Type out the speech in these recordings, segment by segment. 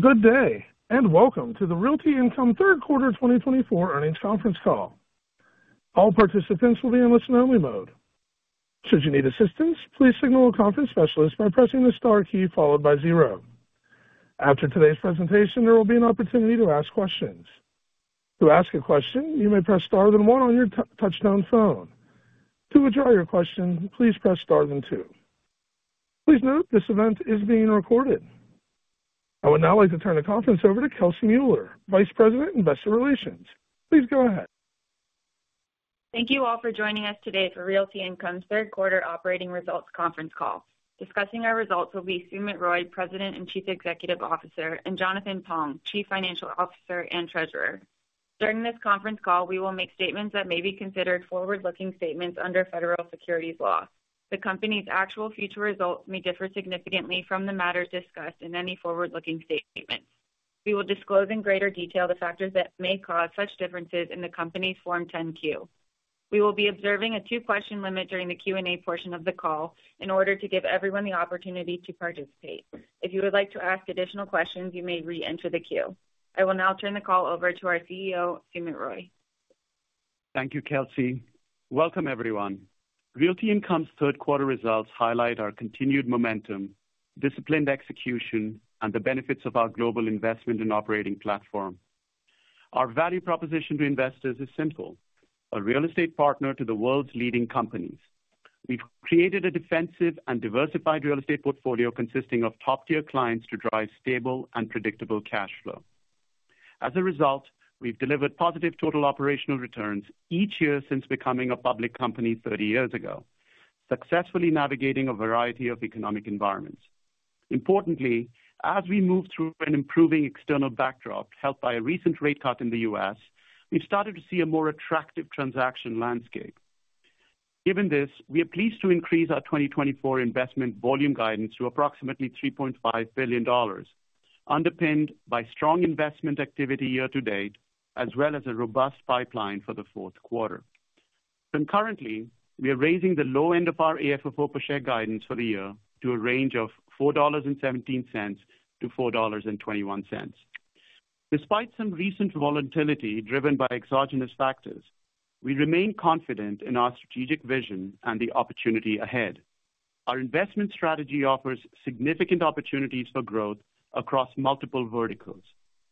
Good day, and welcome to the Realty Income Q3 2024 earnings conference call. All participants will be in listen-only mode. Should you need assistance, please signal a conference specialist by pressing the star key followed by zero. After today's presentation, there will be an opportunity to ask questions. To ask a question, you may press star then one on your touch-tone phone. To withdraw your question, please press star then 2. Please note this event is being recorded. I would now like to turn the conference over to Kelsey Mueller, Vice President, Investor Relations. Please go ahead. Thank you all for joining us today for Realty Income Q3 operating results conference call. Discussing our results will be Sumit Roy, President and Chief Executive Officer, and Jonathan Pong, Chief Financial Officer and Treasurer. During this conference call, we will make statements that may be considered forward-looking statements under federal securities law. The company's actual future results may differ significantly from the matters discussed in any forward-looking statements. We will disclose in greater detail the factors that may cause such differences in the company's Form 10-Q. We will be observing a 2-question limit during the Q&A portion of the call in order to give everyone the opportunity to participate. If you would like to ask additional questions, you may re-enter the queue. I will now turn the call over to our CEO, Sumit Roy. Thank you, Kelsey. Welcome, everyone. Realty Income's Q3 results highlight our continued momentum, disciplined execution, and the benefits of our global investment and operating platform. Our value proposition to investors is simple: a real estate partner to the world's leading companies. We've created a defensive and diversified real estate portfolio consisting of top-tier clients to drive stable and predictable cash flow. As a result, we've delivered positive total operational returns each year since becoming a public company 30 years ago, successfully navigating a variety of economic environments. Importantly, as we move through an improving external backdrop, helped by a recent rate cut in the US, we've started to see a more attractive transaction landscape. Given this, we are pleased to increase our 2024 investment volume guidance to approximately $3.5 billion, underpinned by strong investment activity year to date, as well as a robust pipeline for the fourth quarter. Concurrently, we are raising the low end of our AFFO per share guidance for the year to a range of $4.17-4.21. Despite some recent volatility driven by exogenous factors, we remain confident in our strategic vision and the opportunity ahead. Our investment strategy offers significant opportunities for growth across multiple verticals,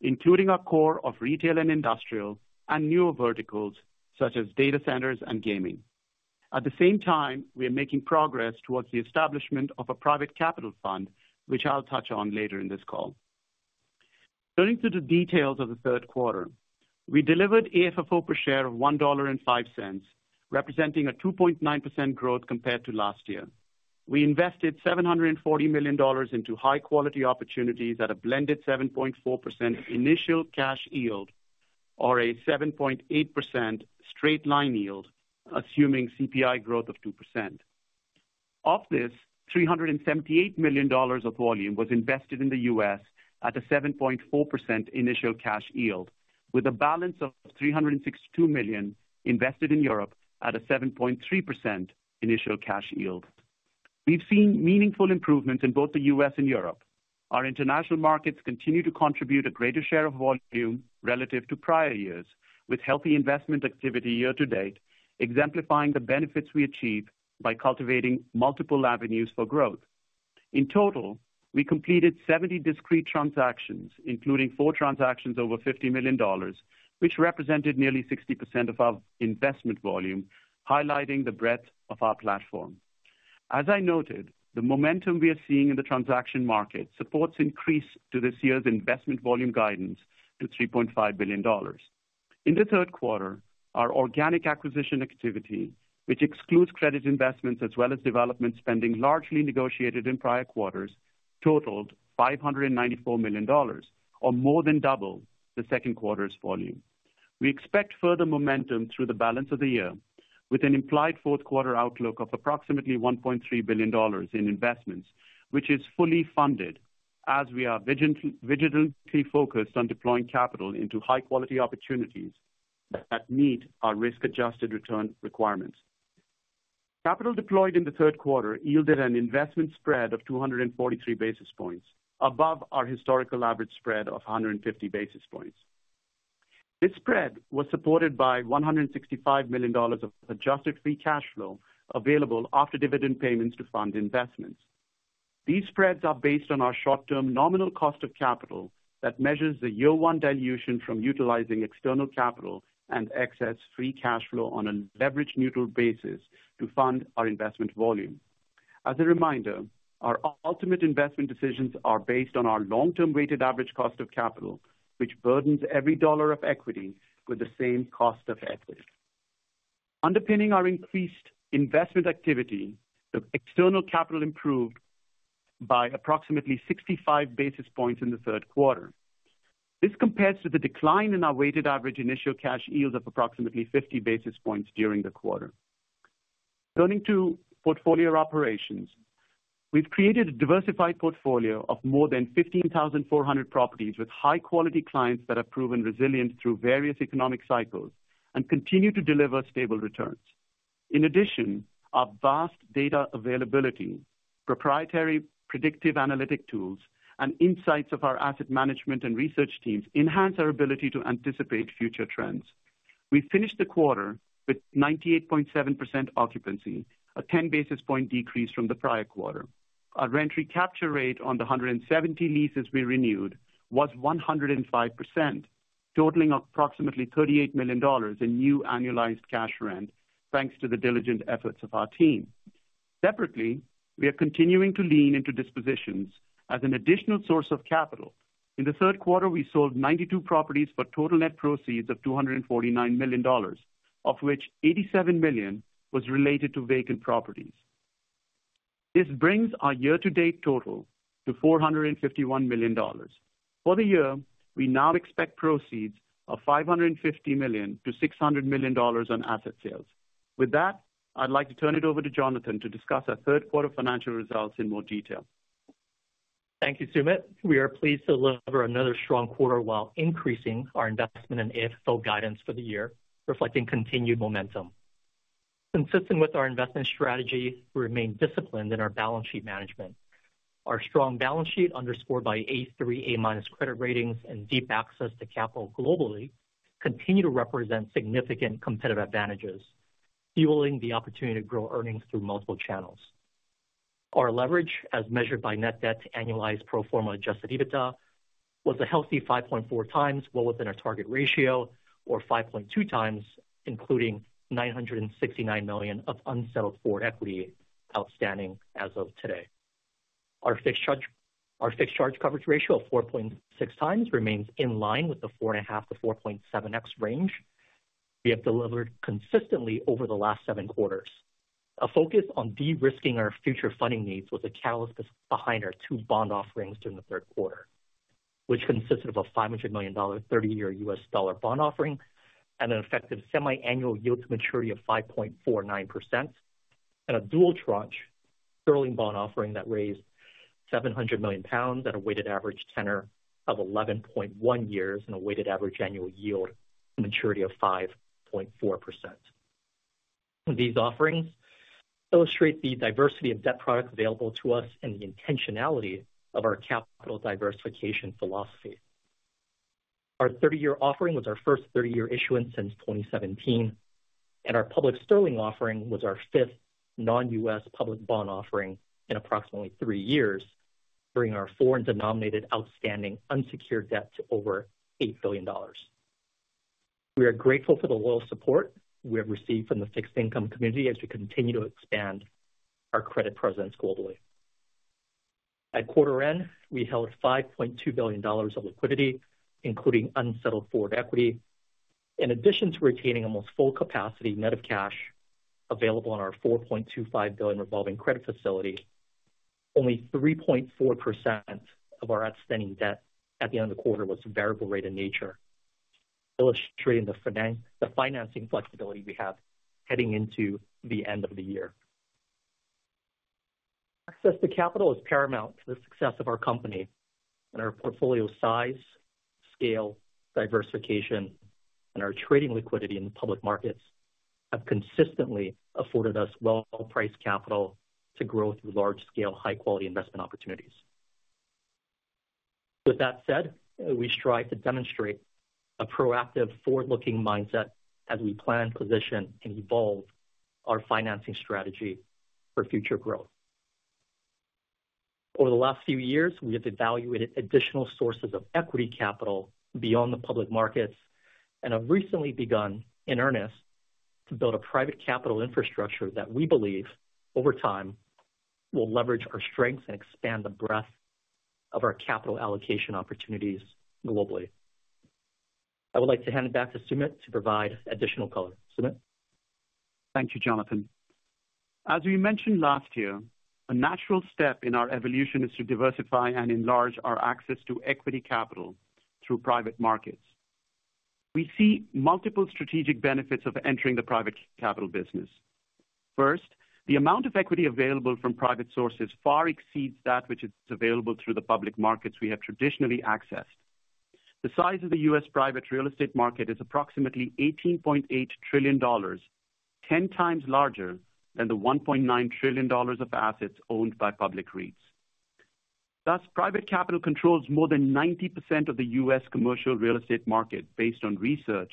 including our core of retail and industrial, and newer verticals such as data centers and gaming. At the same time, we are making progress towards the establishment of a private capital fund, which I'll touch on later in this call. Turning to the details of the third quarter, we delivered AFFO per share of $1.05, representing a 2.9% growth compared to last year. We invested $740 million into high-quality opportunities at a blended 7.4% initial cash yield, or a 7.8% straight-line yield, assuming CPI growth of 2%. Of this, $378 million of volume was invested in the US at a 7.4% initial cash yield, with a balance of $362 million invested in Europe at a 7.3% initial cash yield. We've seen meaningful improvements in both the US and Europe. Our international markets continue to contribute a greater share of volume relative to prior years, with healthy investment activity year to date, exemplifying the benefits we achieve by cultivating multiple avenues for growth. In total, we completed 70 discrete transactions, including four transactions over $50 million, which represented nearly 60% of our investment volume, highlighting the breadth of our platform. As I noted, the momentum we are seeing in the transaction market supports increase to this year's investment volume guidance to $3.5 billion. In the third quarter, our organic acquisition activity, which excludes credit investments as well as development spending largely negotiated in prior quarters, totaled $594 million, or more than double the second quarter's volume. We expect further momentum through the balance of the year, with an implied fourth quarter outlook of approximately $1.3 billion in investments, which is fully funded as we are vigilantly focused on deploying capital into high-quality opportunities that meet our risk-adjusted return requirements. Capital deployed in the third quarter yielded an investment spread of 243 basis points, above our historical average spread of 150 basis points. This spread was supported by $165 million of adjusted free cash flow available after dividend payments to fund investments. These spreads are based on our short-term nominal cost of capital that measures the year-one dilution from utilizing external capital and excess free cash flow on a leverage-neutral basis to fund our investment volume. As a reminder, our ultimate investment decisions are based on our long-term weighted average cost of capital, which burdens every dollar of equity with the same cost of equity. Underpinning our increased investment activity, external capital improved by approximately 65 basis points in the third quarter. This compares to the decline in our weighted average initial cash yield of approximately 50 basis points during the quarter. Turning to portfolio operations, we've created a diversified portfolio of more than 15,400 properties with high-quality clients that have proven resilient through various economic cycles and continue to deliver stable returns. In addition, our vast data availability, proprietary predictive analytic tools, and insights of our asset management and research teams enhance our ability to anticipate future trends. We finished the quarter with 98.7% occupancy, a 10 basis point decrease from the prior quarter. Our rent recapture rate on the 170 leases we renewed was 105%, totaling approximately $38 million in new annualized cash rent, thanks to the diligent efforts of our team. Separately, we are continuing to lean into dispositions as an additional source of capital. In the third quarter, we sold 92 properties for total net proceeds of $249 million, of which $87 million was related to vacant properties. This brings our year-to-date total to $451 million. For the year, we now expect proceeds of $550 million-600 on asset sales. With that, I'd like to turn it over to Jonathan to discuss our third quarter financial results in more detail. Thank you, Sumit. We are pleased to deliver another strong quarter while increasing our investment and AFFO guidance for the year, reflecting continued momentum. Consistent with our investment strategy, we remain disciplined in our balance sheet management. Our strong balance sheet, underscored by A3/A- credit ratings and deep access to capital globally, continue to represent significant competitive advantages, fueling the opportunity to grow earnings through multiple channels. Our leverage, as measured by net debt to annualized pro forma adjusted EBITDA, was a healthy 5.4 times, well within our target ratio, or 5.2 times, including $969 million of unsettled forward equity outstanding as of today. Our fixed charge coverage ratio of 4.6 times remains in line with the 4.5x-4.7x range we have delivered consistently over the last 7 quarters. A focus on de-risking our future funding needs was a catalyst behind our two bond offerings during the third quarter, which consisted of a $500 million 30-year US dollar bond offering and an effective semi-annual yield to maturity of 5.49%, and a dual tranche sterling bond offering that raised 700 million pounds at a weighted average tenor of 11.1 years and a weighted average annual yield to maturity of 5.4%. These offerings illustrate the diversity of debt products available to us and the intentionality of our capital diversification philosophy. Our 30-year offering was our first 30-year issuance since 2017, and our public sterling offering was our fifth non-US public bond offering in approximately 3 years, bringing our foreign-denominated outstanding unsecured debt to over $8 billion. We are grateful for the loyal support we have received from the fixed income community as we continue to expand our credit presence globally. At quarter end, we held $5.2 billion of liquidity, including unsettled forward equity. In addition to retaining almost full capacity net of cash available on our $4.25 billion revolving credit facility, only 3.4% of our outstanding debt at the end of the quarter was variable rate in nature, illustrating the financing flexibility we have heading into the end of the year. Access to capital is paramount to the success of our company, and our portfolio size, scale, diversification, and our trading liquidity in the public markets have consistently afforded us well-priced capital to grow through large-scale, high-quality investment opportunities. With that said, we strive to demonstrate a proactive, forward-looking mindset as we plan, position, and evolve our financing strategy for future growth. Over the last few years, we have evaluated additional sources of equity capital beyond the public markets and have recently begun in earnest to build a private capital infrastructure that we believe, over time, will leverage our strengths and expand the breadth of our capital allocation opportunities globally. I would like to hand it back to Sumit to provide additional color. Sumit. Thank you, Jonathan. As we mentioned last year, a natural step in our evolution is to diversify and enlarge our access to equity capital through private markets. We see multiple strategic benefits of entering the private capital business. First, the amount of equity available from private sources far exceeds that which is available through the public markets we have traditionally accessed. The size of the US private real estate market is approximately $18.8 trillion, ten times larger than the $1.9 trillion of assets owned by public REITs. Thus, private capital controls more than 90% of the US commercial real estate market, based on research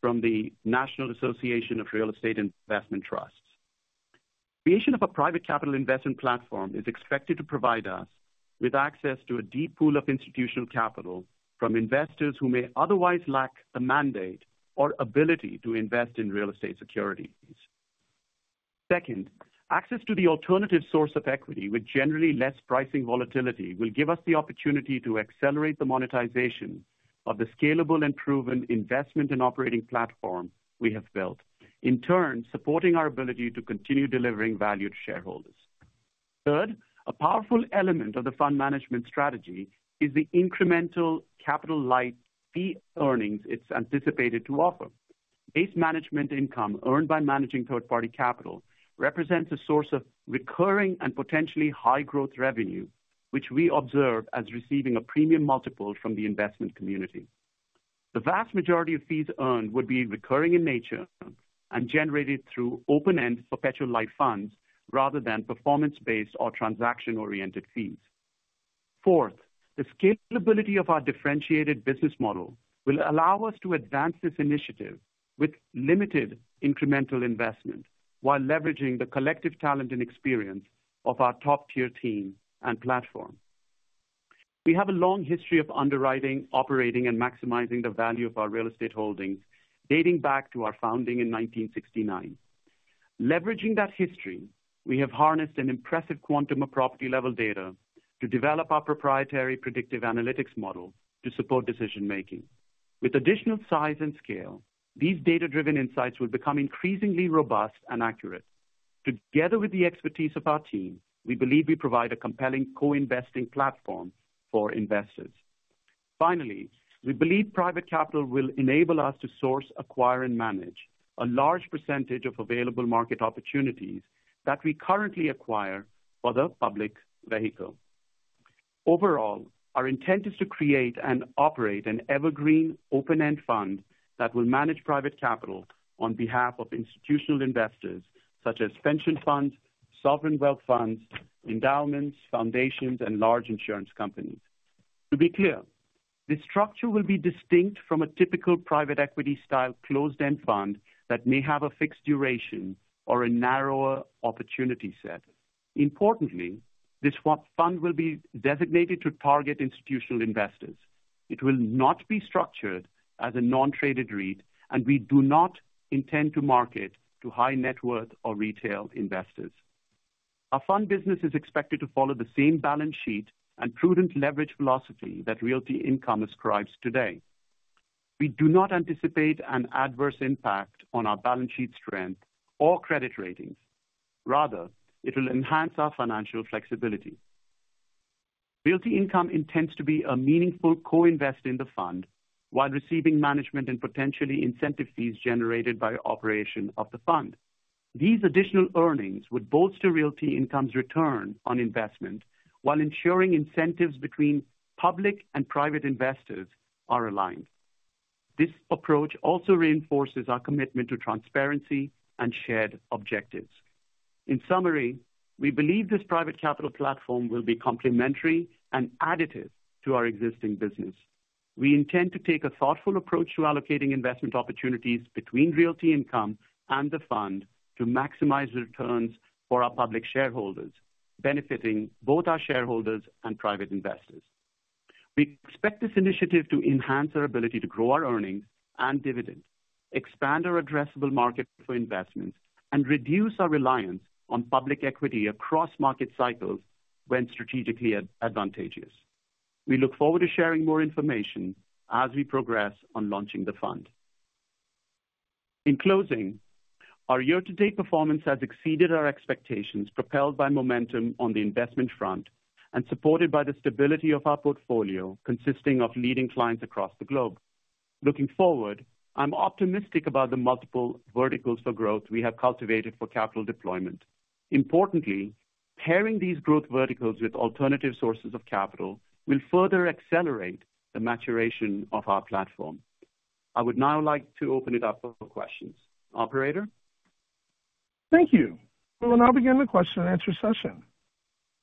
from the National Association of Real Estate Investment Trusts. Creation of a private capital investment platform is expected to provide us with access to a deep pool of institutional capital from investors who may otherwise lack the mandate or ability to invest in real estate securities. Second, access to the alternative source of equity, with generally less pricing volatility, will give us the opportunity to accelerate the monetization of the scalable and proven investment and operating platform we have built, in turn supporting our ability to continue delivering value to shareholders. Third, a powerful element of the fund management strategy is the incremental capital-light fee earnings it's anticipated to offer. Base management income earned by managing third-party capital represents a source of recurring and potentially high-growth revenue, which we observe as receiving a premium multiple from the investment community. The vast majority of fees earned would be recurring in nature and generated through open-end perpetual-life funds rather than performance-based or transaction-oriented fees. Fourth, the scalability of our differentiated business model will allow us to advance this initiative with limited incremental investment while leveraging the collective talent and experience of our top-tier team and platform. We have a long history of underwriting, operating, and maximizing the value of our real estate holdings dating back to our founding in 1969. Leveraging that history, we have harnessed an impressive quantum of property-level data to develop our proprietary predictive analytics model to support decision-making. With additional size and scale, these data-driven insights will become increasingly robust and accurate. Together with the expertise of our team, we believe we provide a compelling co-investing platform for investors. Finally, we believe private capital will enable us to source, acquire, and manage a large percentage of available market opportunities that we currently acquire for the public vehicle. Overall, our intent is to create and operate an evergreen open-end fund that will manage private capital on behalf of institutional investors such as pension funds, sovereign wealth funds, endowments, foundations, and large insurance companies. To be clear, this structure will be distinct from a typical private equity-style closed-end fund that may have a fixed duration or a narrower opportunity set. Importantly, this fund will be designated to target institutional investors. It will not be structured as a non-traded REIT, and we do not intend to market to high-net-worth or retail investors. Our fund business is expected to follow the same balance sheet and prudent leverage philosophy that Realty Income ascribes today. We do not anticipate an adverse impact on our balance sheet strength or credit ratings. Rather, it will enhance our financial flexibility. Realty Income intends to be a meaningful co-invest in the fund while receiving management and potentially incentive fees generated by operation of the fund. These additional earnings would bolster Realty Income's return on investment while ensuring incentives between public and private investors are aligned. This approach also reinforces our commitment to transparency and shared objectives. In summary, we believe this private capital platform will be complementary and additive to our existing business. We intend to take a thoughtful approach to allocating investment opportunities between Realty Income and the fund to maximize returns for our public shareholders, benefiting both our shareholders and private investors. We expect this initiative to enhance our ability to grow our earnings and dividend, expand our addressable market for investments, and reduce our reliance on public equity across market cycles when strategically advantageous. We look forward to sharing more information as we progress on launching the fund. In closing, our year-to-date performance has exceeded our expectations, propelled by momentum on the investment front and supported by the stability of our portfolio consisting of leading clients across the globe. Looking forward, I'm optimistic about the multiple verticals for growth we have cultivated for capital deployment. Importantly, pairing these growth verticals with alternative sources of capital will further accelerate the maturation of our platform. I would now like to open it up for questions. Operator. Thank you. We will now begin the question-and-answer session.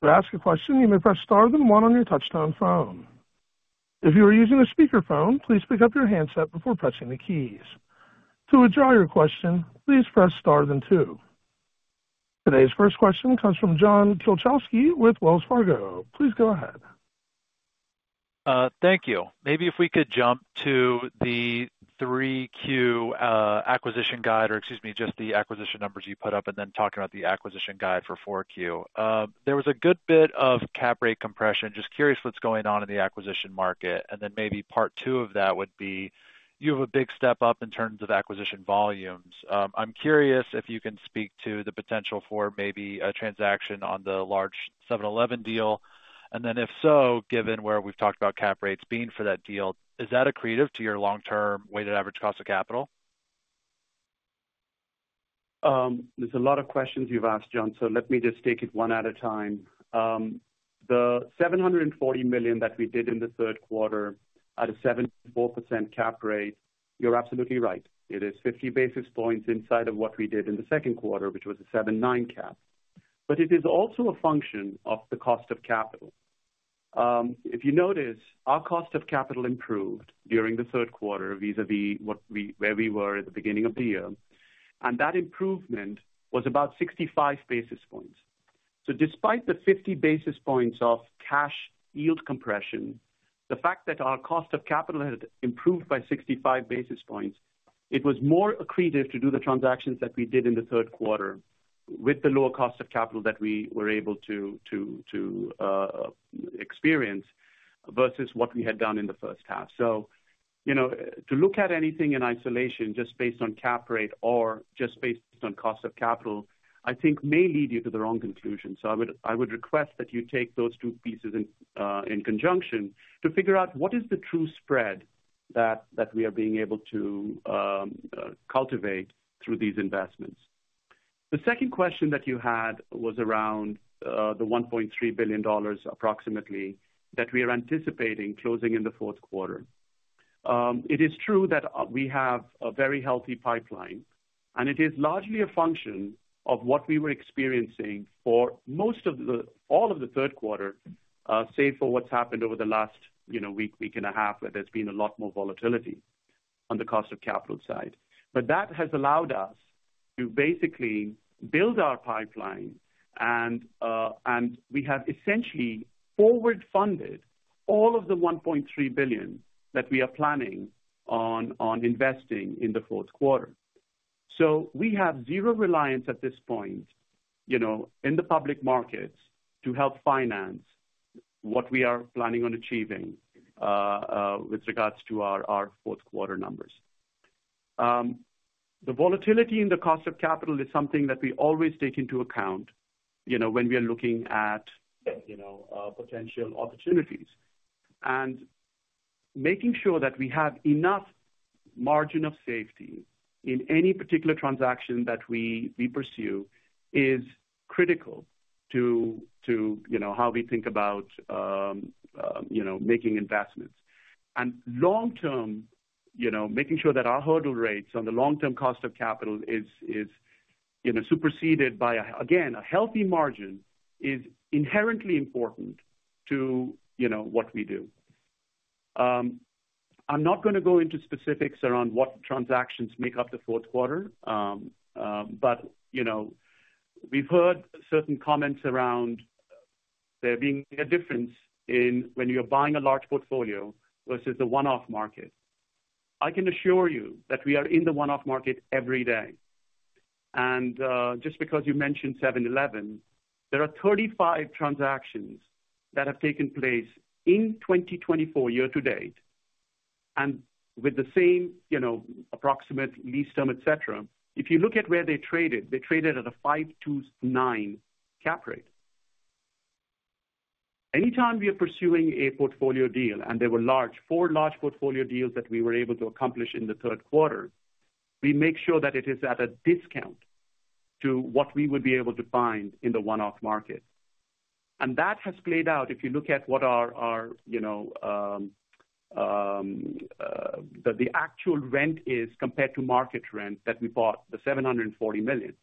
To ask a question, you may press star then one on your touch-tone phone. If you are using a speakerphone, please pick up your handset before pressing the keys. To withdraw your question, please press star then two. Today's first question comes from John Kilichowski with Wells Fargo. Please go ahead. Thank you. Maybe if we could jump to the 3Q acquisition guide, or excuse me, just the acquisition numbers you put up, and then talking about the acquisition guide for 4Q. There was a good bit of cap rate compression. Just curious what's going on in the acquisition market. And then maybe part 2 of that would be you have a big step up in terms of acquisition volumes. I'm curious if you can speak to the potential for maybe a transaction on the large 7-Eleven deal. And then if so, given where we've talked about cap rates being for that deal, is that accretive to your long-term weighted average cost of capital? There's a lot of questions you've asked, John, so let me just take it one at a time. The $740 million that we did in the third quarter at a 74% cap rate, you're absolutely right. It is 50 basis points inside of what we did in the second quarter, which was a 7.9 cap. But it is also a function of the cost of capital. If you notice, our cost of capital improved during the third quarter vis-à-vis where we were at the beginning of the year, and that improvement was about 65 basis points. Despite the 50 basis points of cash yield compression, the fact that our cost of capital had improved by 65 basis points, it was more accretive to do the transactions that we did in the third quarter with the lower cost of capital that we were able to experience versus what we had done in the first half. To look at anything in isolation just based on cap rate or just based on cost of capital, I think may lead you to the wrong conclusion. I would request that you take those 2 pieces in conjunction to figure out what is the true spread that we are being able to cultivate through these investments. The second question that you had was around the $1.3 billion approximately that we are anticipating closing in the fourth quarter. It is true that we have a very healthy pipeline, and it is largely a function of what we were experiencing for most of all of the third quarter, save for what's happened over the last week, week and a half, where there's been a lot more volatility on the cost of capital side. But that has allowed us to basically build our pipeline, and we have essentially forward-funded all of the $1.3 billion that we are planning on investing in the fourth quarter. So we have zero reliance at this point in the public markets to help finance what we are planning on achieving with regards to our fourth quarter numbers. The volatility in the cost of capital is something that we always take into account when we are looking at potential opportunities. And making sure that we have enough margin of safety in any particular transaction that we pursue is critical to how we think about making investments. And long-term, making sure that our hurdle rates on the long-term cost of capital is superseded by, again, a healthy margin is inherently important to what we do. I'm not going to go into specifics around what transactions make up the fourth quarter, but we've heard certain comments around there being a difference in when you're buying a large portfolio versus the one-off market. I can assure you that we are in the one-off market every day. And just because you mentioned 7-Eleven, there are 35 transactions that have taken place in 2024 year-to-date and with the same approximate lease term, et cetera. If you look at where they traded, they traded at a 5.29 cap rate. Anytime we are pursuing a portfolio deal, and there were four large portfolio deals that we were able to accomplish in the third quarter, we make sure that it is at a discount to what we would be able to find in the one-off market. And that has played out if you look at what the actual rent is compared to market rent that we bought, the $740 million.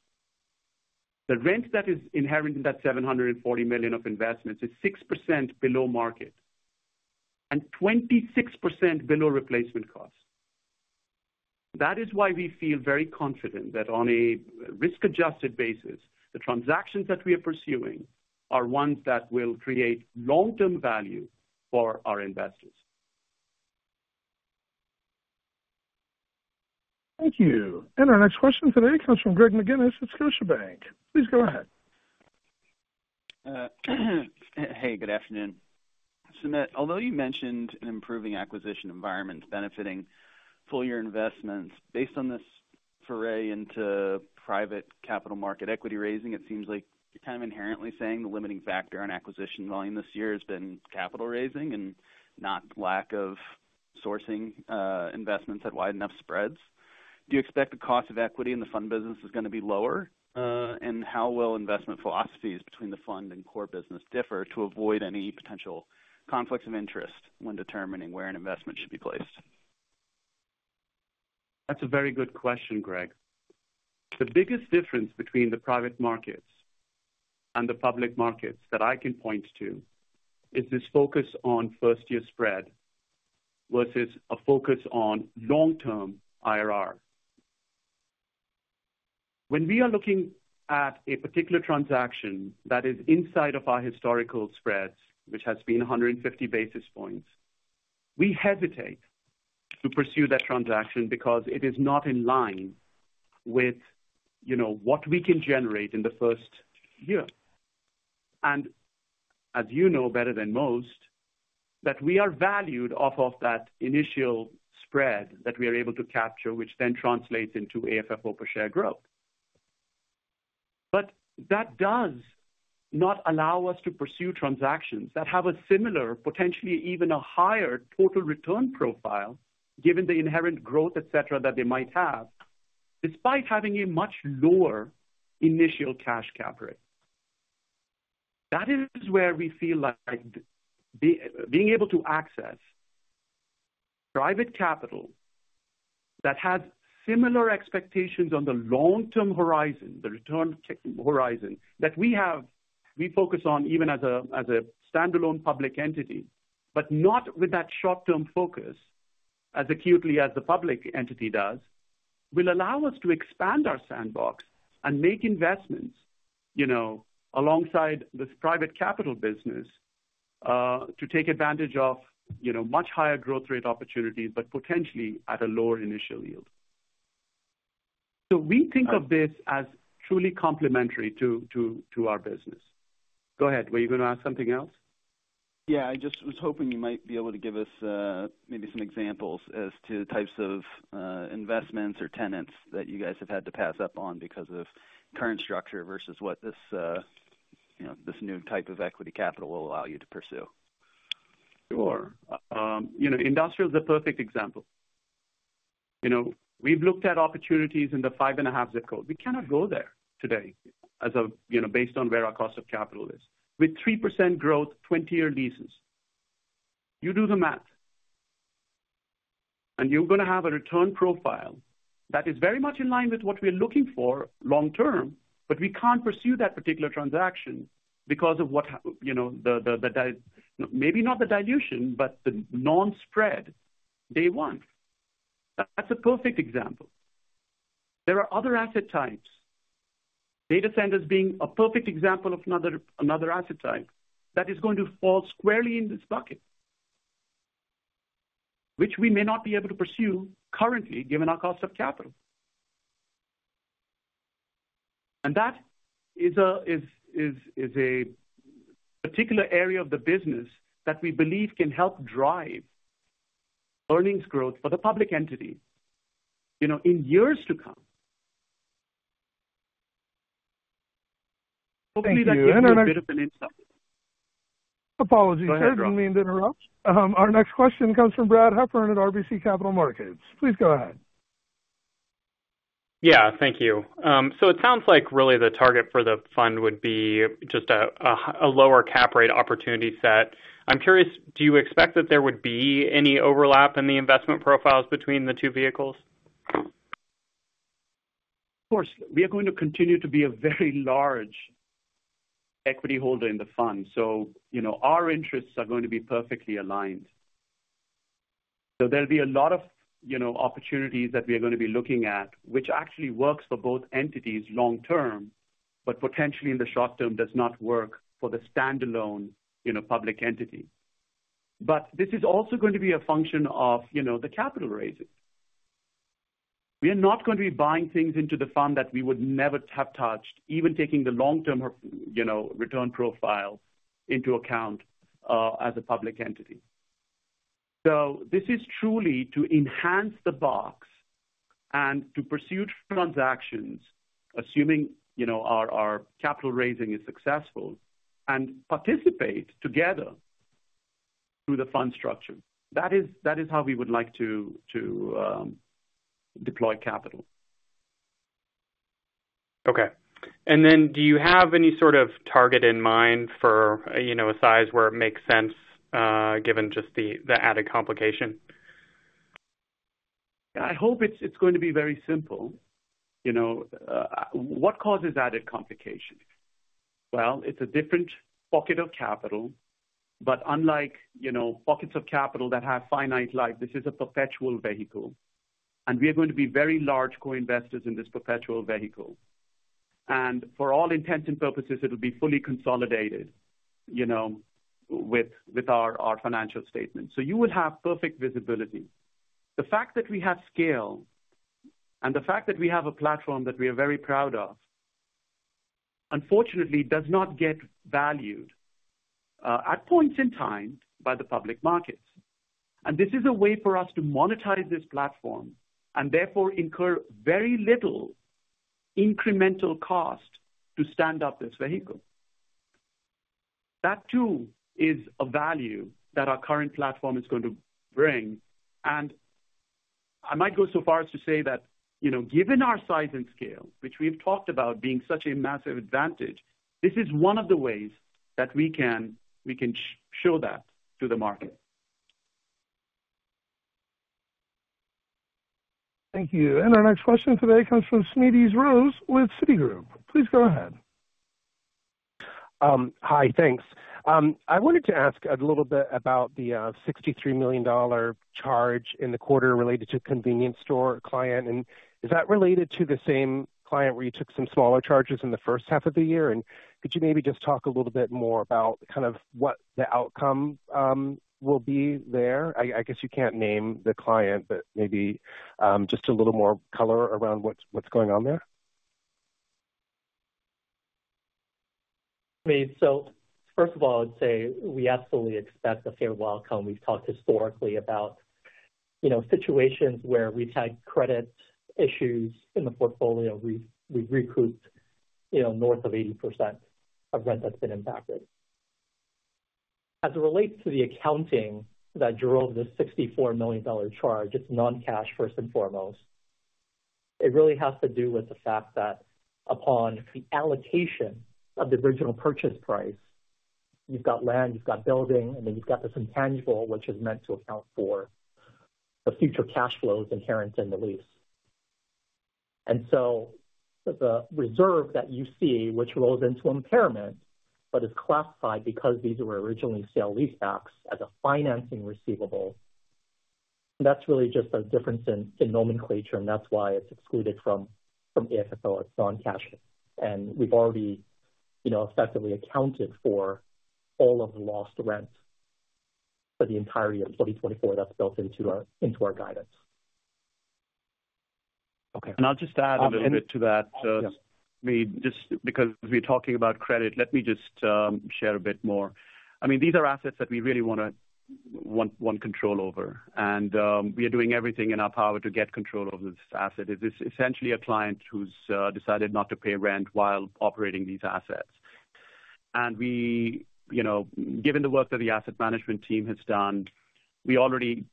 The rent that is inherent in that $740 million of investments is 6% below market and 26% below replacement cost. That is why we feel very confident that on a risk-adjusted basis, the transactions that we are pursuing are ones that will create long-term value for our investors. Thank you. Our next question today comes from Greg McGinniss at Scotiabank. Please go ahead. Hey, good afternoon. So although you mentioned an improving acquisition environment benefiting full-year investments, based on this foray into private capital market equity raising, it seems like you're kind of inherently saying the limiting factor on acquisition volume this year has been capital raising and not lack of sourcing investments at wide enough spreads. Do you expect the cost of equity in the fund business is going to be lower, and how will investment philosophies between the fund and core business differ to avoid any potential conflicts of interest when determining where an investment should be placed? That's a very good question, Greg. The biggest difference between the private markets and the public markets that I can point to is this focus on first-year spread versus a focus on long-term IRR. When we are looking at a particular transaction that is inside of our historical spreads, which has been 150 basis points, we hesitate to pursue that transaction because it is not in line with what we can generate in the first year. And as you know better than most, that we are valued off of that initial spread that we are able to capture, which then translates into AFFO per share growth. But that does not allow us to pursue transactions that have a similar, potentially even a higher total return profile given the inherent growth, et cetera, that they might have despite having a much lower initial cash cap rate. That is where we feel like being able to access private capital that has similar expectations on the long-term horizon, the return horizon that we focus on even as a standalone public entity, but not with that short-term focus as acutely as the public entity does, will allow us to expand our sandbox and make investments alongside this private capital business to take advantage of much higher growth rate opportunities, but potentially at a lower initial yield. So we think of this as truly complementary to our business. Go ahead. Were you going to ask something else? Yeah. I just was hoping you might be able to give us maybe some examples as to types of investments or tenants that you guys have had to pass up on because of current structure versus what this new type of equity capital will allow you to pursue? Sure. Industrial is a perfect example. We've looked at opportunities in the 5.5 zip code. We cannot go there today based on where our cost of capital is. With 3% growth, 20-year leases, you do the math, and you're going to have a return profile that is very much in line with what we are looking for long-term, but we can't pursue that particular transaction because of maybe not the dilution, but the non-spread day one. That's a perfect example. There are other asset types. Data centers being a perfect example of another asset type that is going to fall squarely in this bucket, which we may not be able to pursue currently given our cost of capital. And that is a particular area of the business that we believe can help drive earnings growth for the public entity in years to come. Hopefully, that gives you a bit of an insight. Apologies. I didn't mean to interrupt. Our next question comes from Brad Heffern at RBC Capital Markets. Please go ahead. Yeah. Thank you. So it sounds like really the target for the fund would be just a lower cap rate opportunity set. I'm curious, do you expect that there would be any overlap in the investment profiles between the 2 vehicles? Of course. We are going to continue to be a very large equity holder in the fund. So our interests are going to be perfectly aligned. So there'll be a lot of opportunities that we are going to be looking at, which actually works for both entities long-term, but potentially in the short term does not work for the standalone public entity. But this is also going to be a function of the capital raising. We are not going to be buying things into the fund that we would never have touched, even taking the long-term return profile into account as a public entity. So this is truly to enhance the box and to pursue transactions, assuming our capital raising is successful, and participate together through the fund structure. That is how we would like to deploy capital. Okay. And then do you have any sort of target in mind for a size where it makes sense given just the added complication? I hope it's going to be very simple. What causes added complication? It's a different bucket of capital, but unlike buckets of capital that have finite life, this is a perpetual vehicle. And we are going to be very large co-investors in this perpetual vehicle. And for all intents and purposes, it will be fully consolidated with our financial statement. So you will have perfect visibility. The fact that we have scale and the fact that we have a platform that we are very proud of, unfortunately, does not get valued at points in time by the public markets. And this is a way for us to monetize this platform and therefore incur very little incremental cost to stand up this vehicle. That too is a value that our current platform is going to bring. I might go so far as to say that given our size and scale, which we have talked about being such a massive advantage, this is one of the ways that we can show that to the market. Thank you. And our next question today comes from Smedes Rose with Citigroup. Please go ahead. Hi. Thanks. I wanted to ask a little bit about the $63 million charge in the quarter related to a convenience store client. And is that related to the same client where you took some smaller charges in the first half of the year? And could you maybe just talk a little bit more about kind of what the outcome will be there? I guess you can't name the client, but maybe just a little more color around what's going on there. So first of all, I'd say we absolutely expect a fair outcome. We've talked historically about situations where we've had credit issues in the portfolio. We've recouped north of 80% of rent that's been impacted. As it relates to the accounting that drove this $64 million charge, it's non-cash first and foremost. It really has to do with the fact that upon the allocation of the original purchase price, you've got land, you've got building, and then you've got the intangible, which is meant to account for the future cash flows inherent in the lease. And so the reserve that you see, which rolls into impairment, but is classified because these were originally sale-leasebacks as a financing receivable, that's really just a difference in nomenclature, and that's why it's excluded from AFFO. It's non-cash. We've already effectively accounted for all of the lost rent for the entirety of 2024 that's built into our guidance. Okay. And I'll just add a little bit to that. Just because we're talking about credit, let me just share a bit more. I mean, these are assets that we really want control over. And we are doing everything in our power to get control of this asset. It is essentially a client who's decided not to pay rent while operating these assets. And given the work that the asset management team has done, we already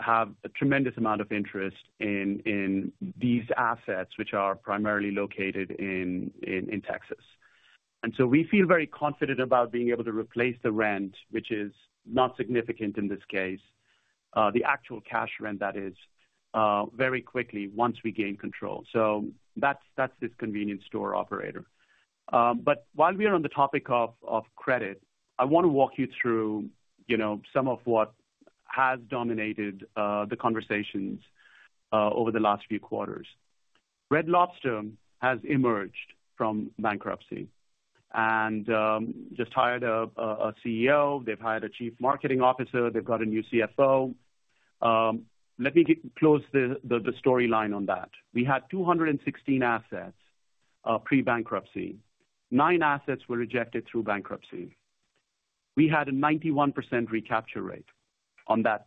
have a tremendous amount of interest in these assets, which are primarily located in Texas. And so we feel very confident about being able to replace the rent, which is not significant in this case, the actual cash rent that is, very quickly once we gain control. So that's this convenience store operator. But while we are on the topic of credit, I want to walk you through some of what has dominated the conversations over the last few quarters. Red Lobster has emerged from bankruptcy and just hired a CEO. They've hired a Chief Marketing Officer. They've got a new CFO. Let me close the storyline on that. We had 216 assets pre-bankruptcy. Nine assets were rejected through bankruptcy. We had a 91% recapture rate on that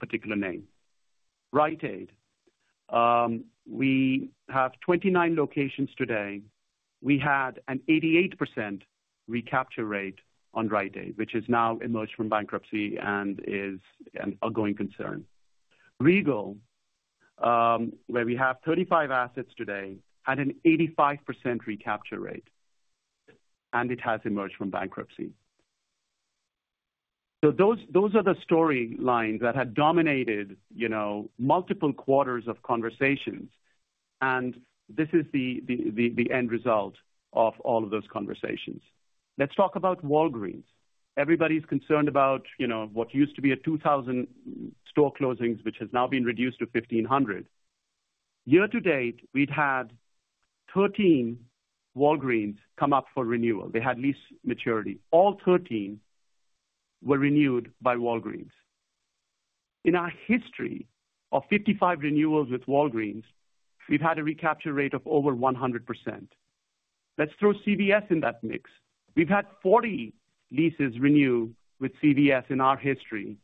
particular name. Rite Aid, we have 29 locations today. We had an 88% recapture rate on Rite Aid, which has now emerged from bankruptcy and is an ongoing concern. Regal, where we have 35 assets today, had an 85% recapture rate, and it has emerged from bankruptcy. So those are the storylines that have dominated multiple quarters of conversations. And this is the end result of all of those conversations. Let's talk about Walgreens. Everybody's concerned about what used to be a 2,000 store closings, which has now been reduced to 1,500. Year to date, we've had 13 Walgreens come up for renewal. They had lease maturity. All 13 were renewed by Walgreens. In our history of 55 renewals with Walgreens, we've had a recapture rate of over 100%. Let's throw CVS in that mix. We've had 40 leases renew with CVS in our history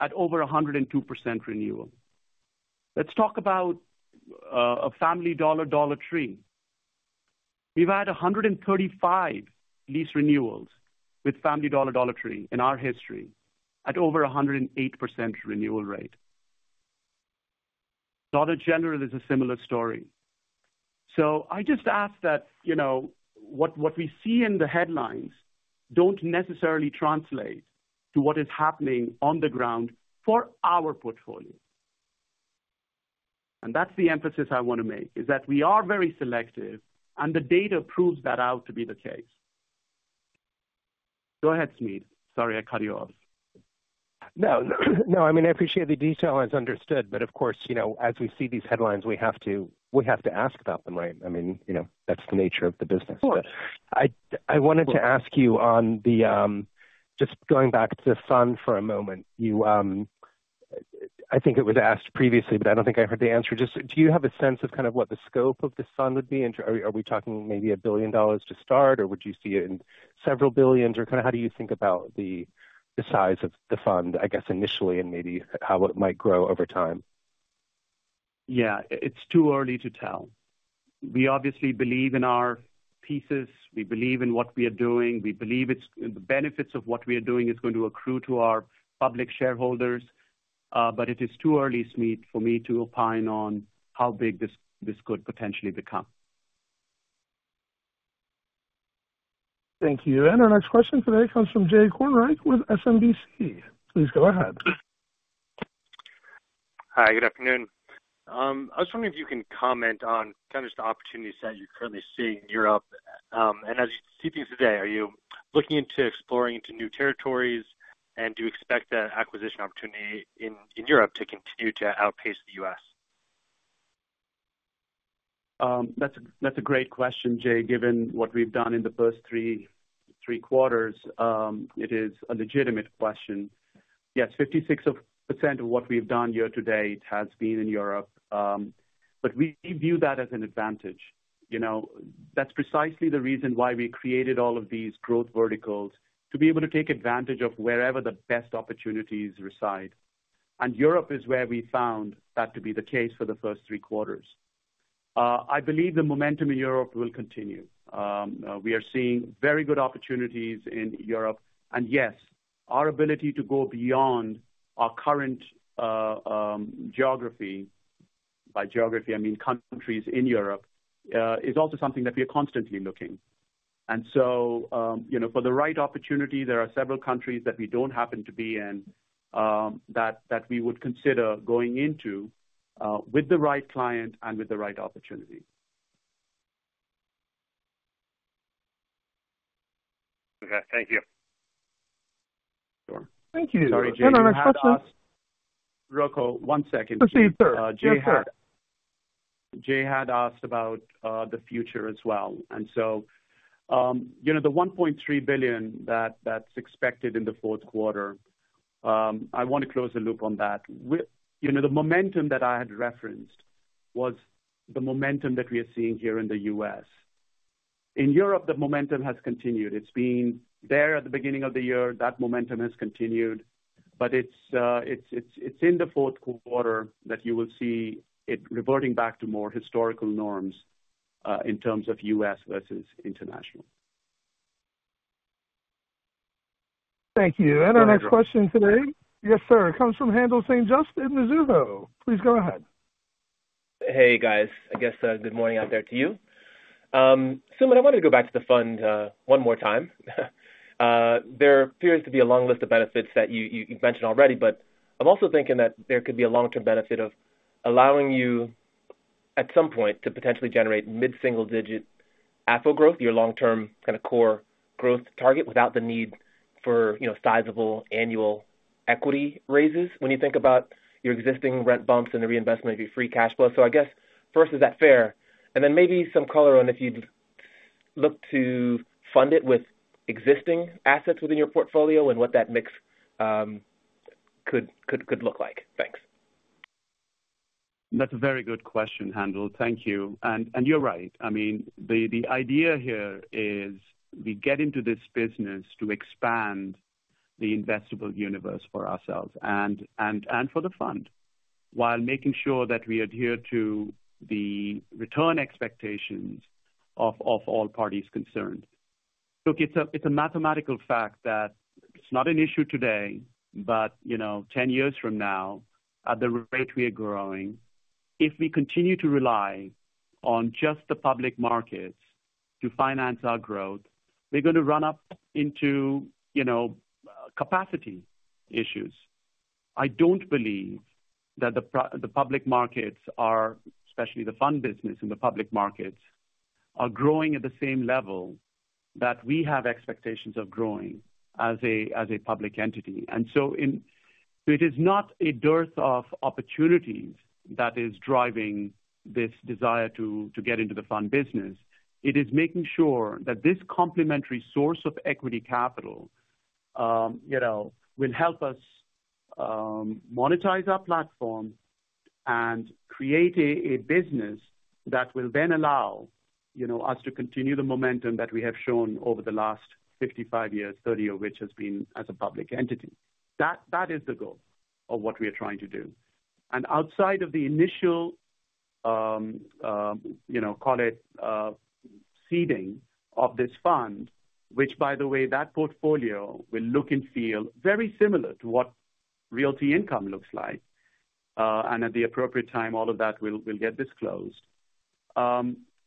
at over 102% renewal. Let's talk about a Family Dollar Dollar Tree. We've had 135 lease renewals with Family Dollar Dollar Tree in our history at over 108% renewal rate. Dollar General is a similar story. So I just ask that what we see in the headlines don't necessarily translate to what is happening on the ground for our portfolio. That's the emphasis I want to make, is that we are very selective, and the data proves that out to be the case. Go ahead, Smedes. Sorry, I cut you off. No. No. I mean, I appreciate the detail as understood. But of course, as we see these headlines, we have to ask about them, right? I mean, that's the nature of the business. But I wanted to ask you on the just going back to the fund for a moment. I think it was asked previously, but I don't think I heard the answer. Just do you have a sense of kind of what the scope of the fund would be? Are we talking maybe $1 billion to start, or would you see it in several billion, or kind of how do you think about the size of the fund, I guess, initially, and maybe how it might grow over time? Yeah. It's too early to tell. We obviously believe in our pieces. We believe in what we are doing. We believe the benefits of what we are doing is going to accrue to our public shareholders. But it is too early, Smedes, for me to opine on how big this could potentially become. Thank you. And our next question today comes from Jay Kornreich with SMBC. Please go ahead. Hi. Good afternoon. I was wondering if you can comment on kind of just the opportunities that you're currently seeing in Europe. And as you see things today, are you looking into exploring into new territories, and do you expect that acquisition opportunity in Europe to continue to outpace the US? That's a great question, Jay, given what we've done in the first 3 quarters. It is a legitimate question. Yes, 56% of what we've done year to date has been in Europe. But we view that as an advantage. That's precisely the reason why we created all of these growth verticals, to be able to take advantage of wherever the best opportunities reside. And Europe is where we found that to be the case for the first 3 quarters. I believe the momentum in Europe will continue. We are seeing very good opportunities in Europe. And yes, our ability to go beyond our current geography, by geography, I mean countries in Europe, is also something that we are constantly looking. For the right opportunity, there are several countries that we don't happen to be in that we would consider going into with the right client and with the right opportunity. Okay. Thank you. Thank you. Sorry, Jay. No, no, no. Questions. Rocco, one second. Proceed, sir. Jay had. Jay had asked about the future as well. So the $1.3 billion that's expected in the fourth quarter, I want to close the loop on that. The momentum that I had referenced was the momentum that we are seeing here in the US In Europe, the momentum has continued. It's been there at the beginning of the year. That momentum has continued. But it's in the fourth quarter that you will see it reverting back to more historical norms in terms of US versus international. Thank you, and our next question today. Yes, sir. It comes from Haendel St. Juste in Mizuho. Please go ahead. Hey, guys. I guess good morning out there to you. Sumit, I wanted to go back to the fund one more time. There appears to be a long list of benefits that you've mentioned already, but I'm also thinking that there could be a long-term benefit of allowing you at some point to potentially generate mid-single-digit AFFO growth, your long-term kind of core growth target, without the need for sizable annual equity raises when you think about your existing rent bumps and the reinvestment of your free cash flow. So I guess first, is that fair? And then maybe some color on if you'd look to fund it with existing assets within your portfolio and what that mix could look like. Thanks. That's a very good question, Haendel. Thank you. And you're right. I mean, the idea here is we get into this business to expand the investable universe for ourselves and for the fund while making sure that we adhere to the return expectations of all parties concerned. Look, it's a mathematical fact that it's not an issue today, but 10 years from now, at the rate we are growing, if we continue to rely on just the public markets to finance our growth, we're going to run up into capacity issues. I don't believe that the public markets, especially the fund business and the public markets, are growing at the same level that we have expectations of growing as a public entity. And so it is not a dearth of opportunities that is driving this desire to get into the fund business. It is making sure that this complementary source of equity capital will help us monetize our platform and create a business that will then allow us to continue the momentum that we have shown over the last 55 years, 30 of which has been as a public entity. That is the goal of what we are trying to do. And outside of the initial, call it seeding of this fund, which, by the way, that portfolio will look and feel very similar to what Realty Income looks like. And at the appropriate time, all of that will get disclosed.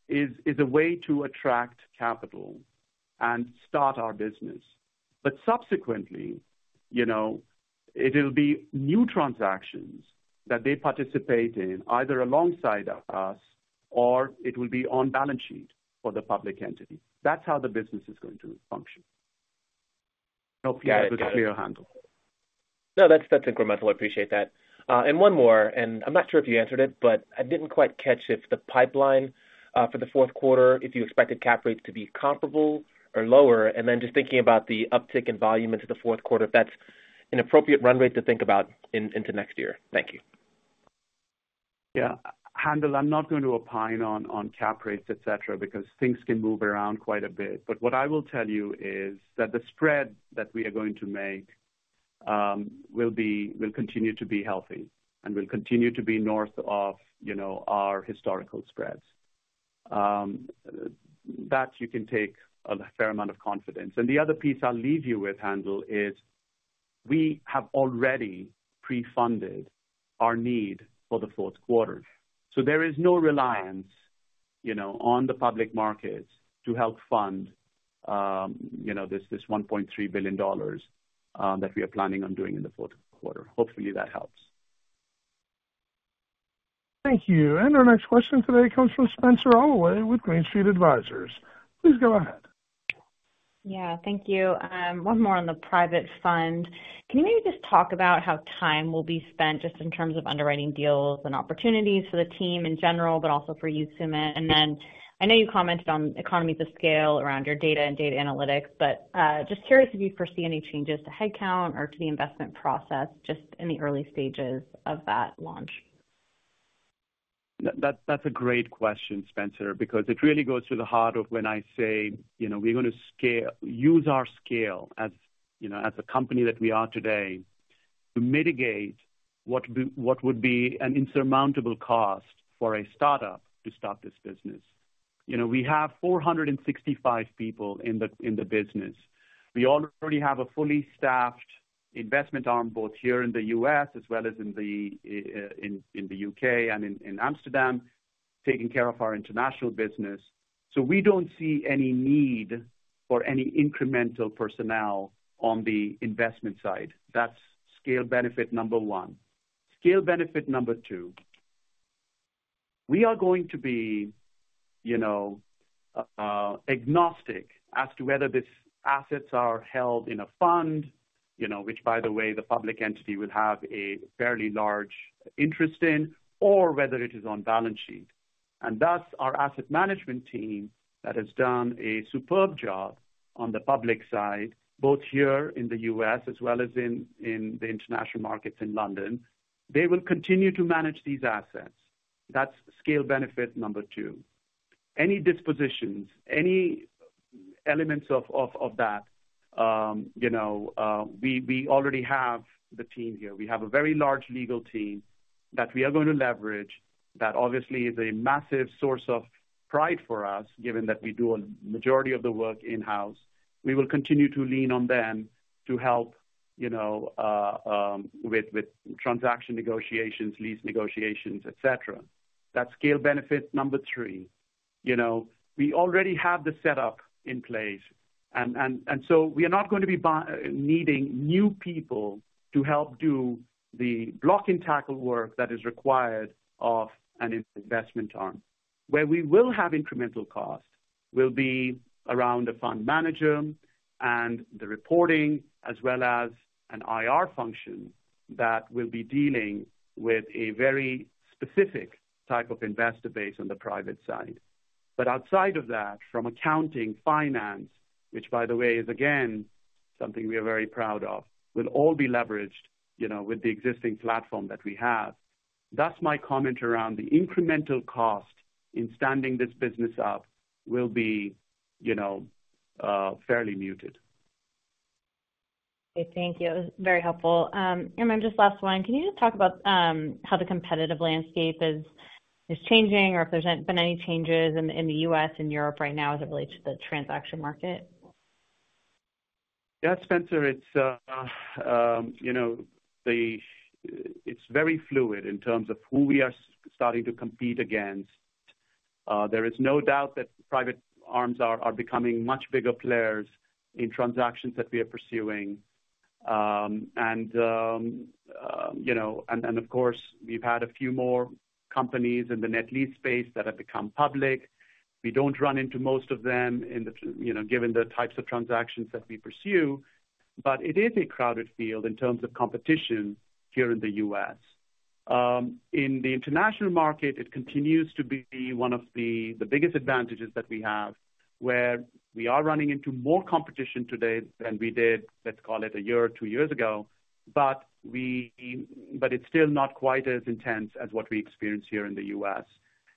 Is a way to attract capital and start our business. But subsequently, it will be new transactions that they participate in either alongside us or it will be on balance sheet for the public entity. That's how the business is going to function. I hope that was clear, Haendel. No, that's incremental. I appreciate that. And one more. And I'm not sure if you answered it, but I didn't quite catch if the pipeline for the fourth quarter, if you expected cap rates to be comparable or lower? And then just thinking about the uptick in volume into the fourth quarter, if that's an appropriate run rate to think about into next year? Thank you. Yeah. Haendel, I'm not going to opine on cap rates, etc., because things can move around quite a bit, but what I will tell you is that the spread that we are going to make will continue to be healthy and will continue to be north of our historical spreads, that you can take a fair amount of confidence, and the other piece I'll leave you with, Haendel, is we have already pre-funded our need for the fourth quarter, so there is no reliance on the public markets to help fund this $1.3 billion that we are planning on doing in the fourth quarter. Hopefully, that helps. Thank you. And our next question today comes from Spenser Allaway with Green Street Advisors. Please go ahead. Yeah. Thank you. One more on the private fund. Can you maybe just talk about how time will be spent just in terms of underwriting deals and opportunities for the team in general, but also for you, Sumit? And then I know you commented on economies of scale around your data and data analytics, but just curious if you foresee any changes to headcount or to the investment process just in the early stages of that launch. That's a great question, Spenser, because it really goes to the heart of when I say we're going to use our scale as a company that we are today to mitigate what would be an insurmountable cost for a startup to start this business. We have 465 people in the business. We already have a fully staffed investment arm both here in the US as well as in the U.K. and in Amsterdam taking care of our international business. So we don't see any need for any incremental personnel on the investment side. That's scale benefit number one. Scale benefit number 2, we are going to be agnostic as to whether these assets are held in a fund, which, by the way, the public entity will have a fairly large interest in, or whether it is on balance sheet. Thus, our asset management team that has done a superb job on the public side, both here in the US as well as in the international markets in London, they will continue to manage these assets. That's scale benefit number 2. Any dispositions, any elements of that, we already have the team here. We have a very large legal team that we are going to leverage that obviously is a massive source of pride for us, given that we do a majority of the work in-house. We will continue to lean on them to help with transaction negotiations, lease negotiations, etc. That's scale benefit number 3. We already have the setup in place. So we are not going to be needing new people to help do the block and tackle work that is required of an investment arm. Where we will have incremental cost will be around a fund manager and the reporting as well as an IR function that will be dealing with a very specific type of investor base on the private side. But outside of that, from accounting, finance, which, by the way, is again something we are very proud of, will all be leveraged with the existing platform that we have. That's my comment around the incremental cost in standing this business up will be fairly muted. Thank you. It was very helpful, and then just last one, can you just talk about how the competitive landscape is changing or if there's been any changes in the US and Europe right now as it relates to the transaction market? Yeah. Spenser, it's very fluid in terms of who we are starting to compete against. There is no doubt that private arms are becoming much bigger players in transactions that we are pursuing. And of course, we've had a few more companies in the net lease space that have become public. We don't run into most of them given the types of transactions that we pursue. But it is a crowded field in terms of competition here in the US In the international market, it continues to be one of the biggest advantages that we have where we are running into more competition today than we did, let's call it, a year or 2 years ago. But it's still not quite as intense as what we experience here in the US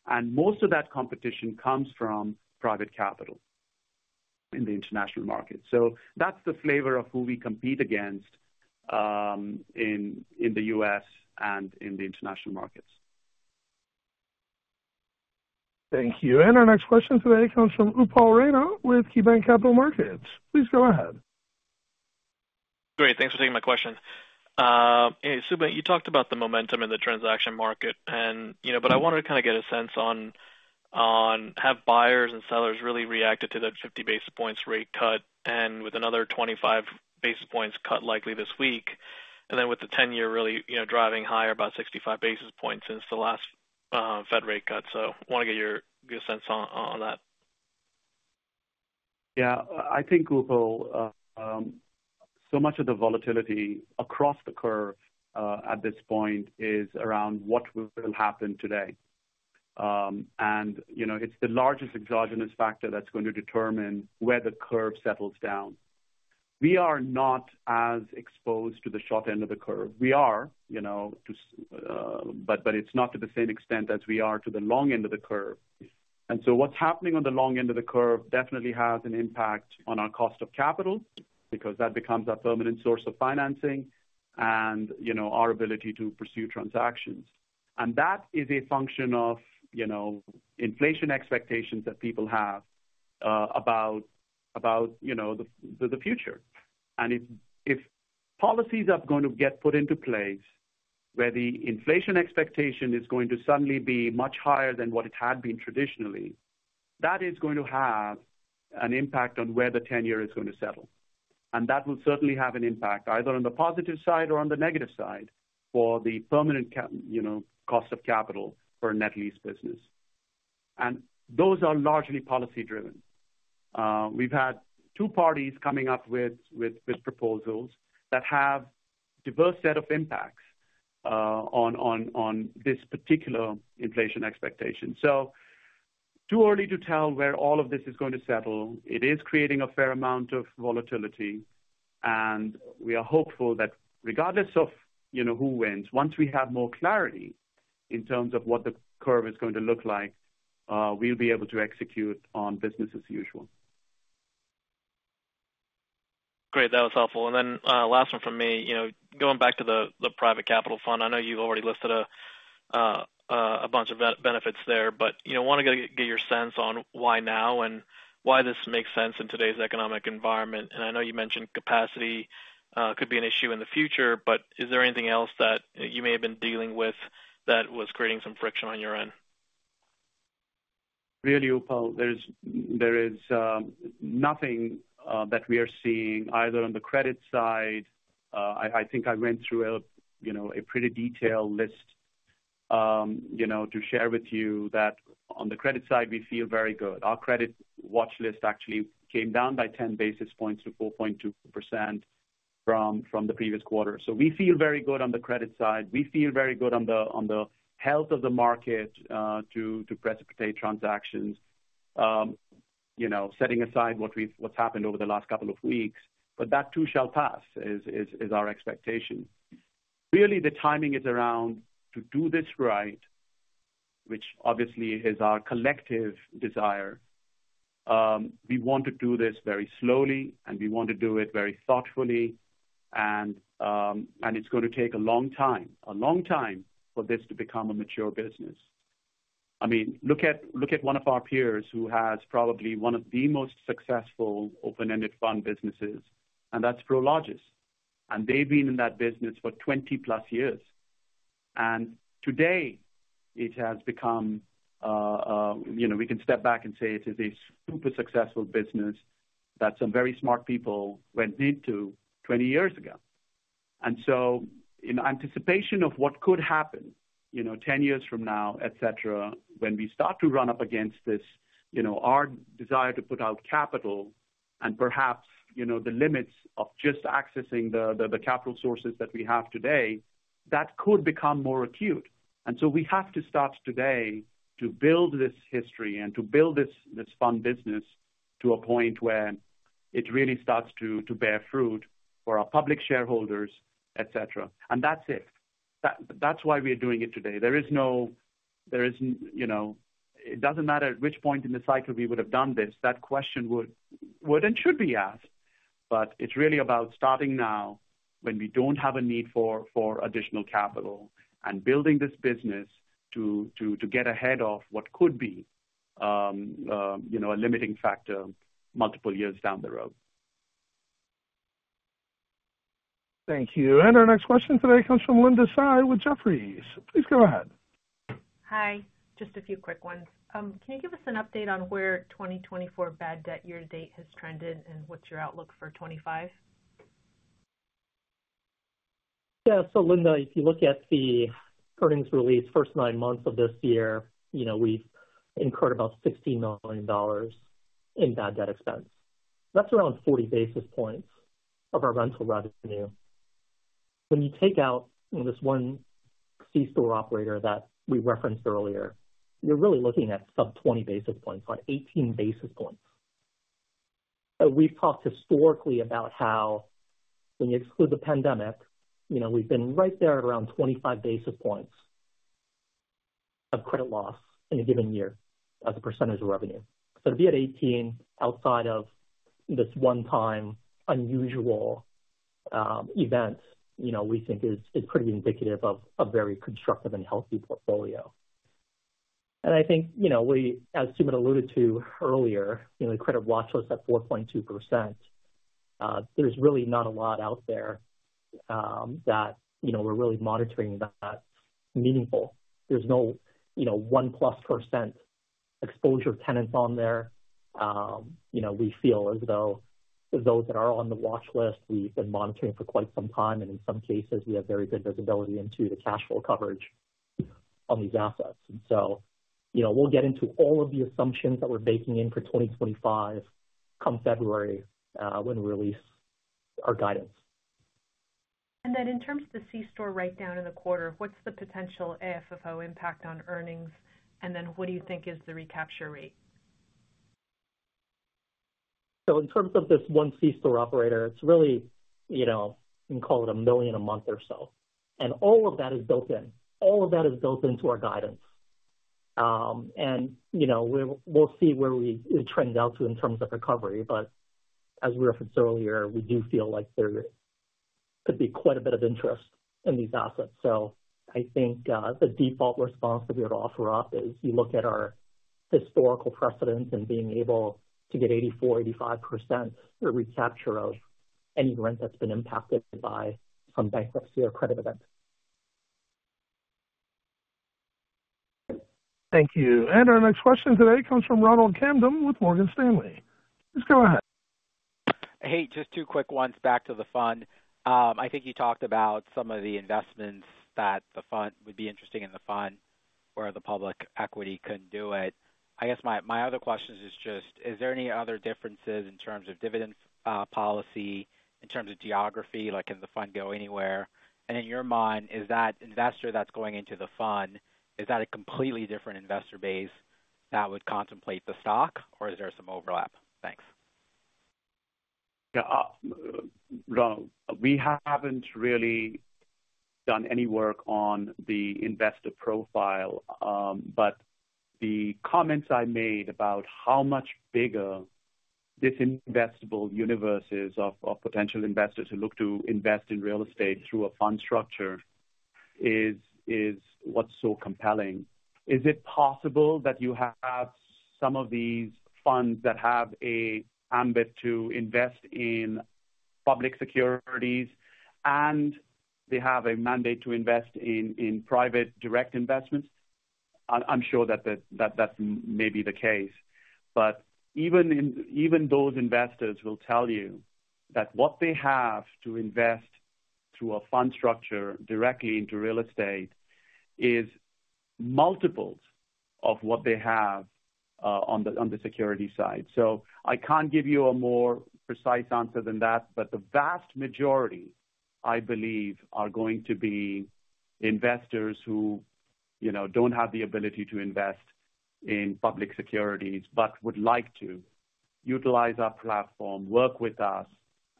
And most of that competition comes from private capital in the international market. So that's the flavor of who we compete against in the US and in the international markets. Thank you. Our next question today comes from Upal Rana with KeyBanc Capital Markets. Please go ahead. Great. Thanks for taking my question. Sumit, you talked about the momentum in the transaction market, but I wanted to kind of get a sense on how buyers and sellers really reacted to the 50 basis points rate cut and with another 25 basis points cut likely this week, and then with the 10-year really driving higher about 65 basis points since the last Fed rate cut, so I want to get your sense on that. Yeah. I think Upal, so much of the volatility across the curve at this point is around what will happen today. And it's the largest exogenous factor that's going to determine where the curve settles down. We are not as exposed to the short end of the curve. We are, but it's not to the same extent as we are to the long end of the curve. And so what's happening on the long end of the curve definitely has an impact on our cost of capital because that becomes our permanent source of financing and our ability to pursue transactions. And that is a function of inflation expectations that people have about the future. If policies are going to get put into place where the inflation expectation is going to suddenly be much higher than what it had been traditionally, that is going to have an impact on where the 10-year is going to settle. That will certainly have an impact either on the positive side or on the negative side for the permanent cost of capital for a net lease business. Those are largely policy-driven. We've had 2 parties coming up with proposals that have a diverse set of impacts on this particular inflation expectation. Too early to tell where all of this is going to settle. It is creating a fair amount of volatility. We are hopeful that regardless of who wins, once we have more clarity in terms of what the curve is going to look like, we'll be able to execute on business as usual. Great. That was helpful. And then last one from me. Going back to the private capital fund, I know you've already listed a bunch of benefits there, but I want to get your sense on why now and why this makes sense in today's economic environment. And I know you mentioned capacity could be an issue in the future, but is there anything else that you may have been dealing with that was creating some friction on your end? Really, Upal, there is nothing that we are seeing either on the credit side. I think I went through a pretty detailed list to share with you that on the credit side, we feel very good. Our credit watch list actually came down by 10 basis points to 4.2% from the previous quarter. So we feel very good on the credit side. We feel very good on the health of the market to precipitate transactions, setting aside what's happened over the last couple of weeks. But that too shall pass is our expectation. Really, the timing is around to do this right, which obviously is our collective desire. We want to do this very slowly, and we want to do it very thoughtfully. And it's going to take a long time, a long time for this to become a mature business. I mean, look at one of our peers who has probably one of the most successful open-ended fund businesses, and that's Prologis. And they've been in that business for 20-plus years. And today, it has become we can step back and say it is a super successful business that some very smart people went into 20 years ago. And so in anticipation of what could happen 10 years from now, etc., when we start to run up against our desire to put out capital and perhaps the limits of just accessing the capital sources that we have today, that could become more acute. And so we have to start today to build this history and to build this fund business to a point where it really starts to bear fruit for our public shareholders, etc. And that's it. That's why we are doing it today. There is no, it doesn't matter at which point in the cycle we would have done this. That question would and should be asked. But it's really about starting now when we don't have a need for additional capital and building this business to get ahead of what could be a limiting factor multiple years down the road. Thank you. And our next question today comes from Linda Tsai with Jefferies. Please go ahead. Hi. Just a few quick ones. Can you give us an update on where 2024 bad debt year-to-date has trended and what's your outlook for 2025? Yeah. So Linda, if you look at the earnings release first nine months of this year, we've incurred about $16 million in bad debt expense. That's around 40 basis points of our rental revenue. When you take out this one C-store operator that we referenced earlier, you're really looking at sub-20 basis points, like 18 basis points. We've talked historically about how when you exclude the pandemic, we've been right there at around 25 basis points of credit loss in a given year as a percentage of revenue. So to be at 18 outside of this one-time unusual event we think is pretty indicative of a very constructive and healthy portfolio. And I think, as Sumit alluded to earlier, the credit watch list at 4.2%, there's really not a lot out there that we're really monitoring that's meaningful. There's no 1 plus percent exposure tenants on there. We feel as though those that are on the watch list we've been monitoring for quite some time, and in some cases, we have very good visibility into the cash flow coverage on these assets, and so we'll get into all of the assumptions that we're baking in for 2025 come February when we release our guidance. And then in terms of the C-store write-down in the quarter, what's the potential AFFO impact on earnings? And then what do you think is the recapture rate? So in terms of this one C-store operator, it's really, you can call it $1 million a month or so. And all of that is built in. All of that is built into our guidance. And we'll see where we trend out to in terms of recovery. But as we referenced earlier, we do feel like there could be quite a bit of interest in these assets. So I think the default response that we would offer up is you look at our historical precedents and being able to get 84%-85% recapture of any rent that's been impacted by some bankruptcy or credit event. Thank you. And our next question today comes from Ronald Kamdem with Morgan Stanley. Please go ahead. Hey, just 2 quick ones back to the fund. I think you talked about some of the investments that the fund would be interested in where the public equity couldn't do it. I guess my other question is just, is there any other differences in terms of dividend policy, in terms of geography, like can the fund go anywhere? And in your mind, is that investor that's going into the fund, is that a completely different investor base that would contemplate the stock, or is there some overlap? Thanks. Yeah. We haven't really done any work on the investor profile. But the comments I made about how much bigger this investable universe is of potential investors who look to invest in real estate through a fund structure is what's so compelling. Is it possible that you have some of these funds that have an ambit to invest in public securities and they have a mandate to invest in private direct investments? I'm sure that that's maybe the case. But even those investors will tell you that what they have to invest through a fund structure directly into real estate is multiples of what they have on the security side. So I can't give you a more precise answer than that. But the vast majority, I believe, are going to be investors who don't have the ability to invest in public securities but would like to utilize our platform, work with us,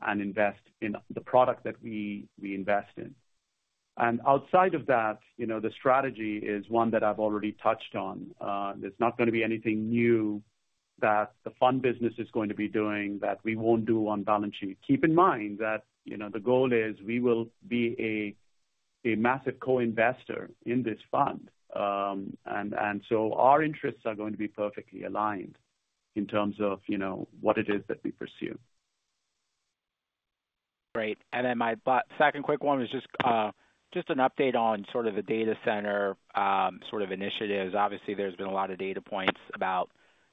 and invest in the product that we invest in. And outside of that, the strategy is one that I've already touched on. There's not going to be anything new that the fund business is going to be doing that we won't do on balance sheet. Keep in mind that the goal is we will be a massive co-investor in this fund. And so our interests are going to be perfectly aligned in terms of what it is that we pursue. Great. And then my second quick one was just an update on sort of the data center sort of initiatives. Obviously, there's been a lot of data points about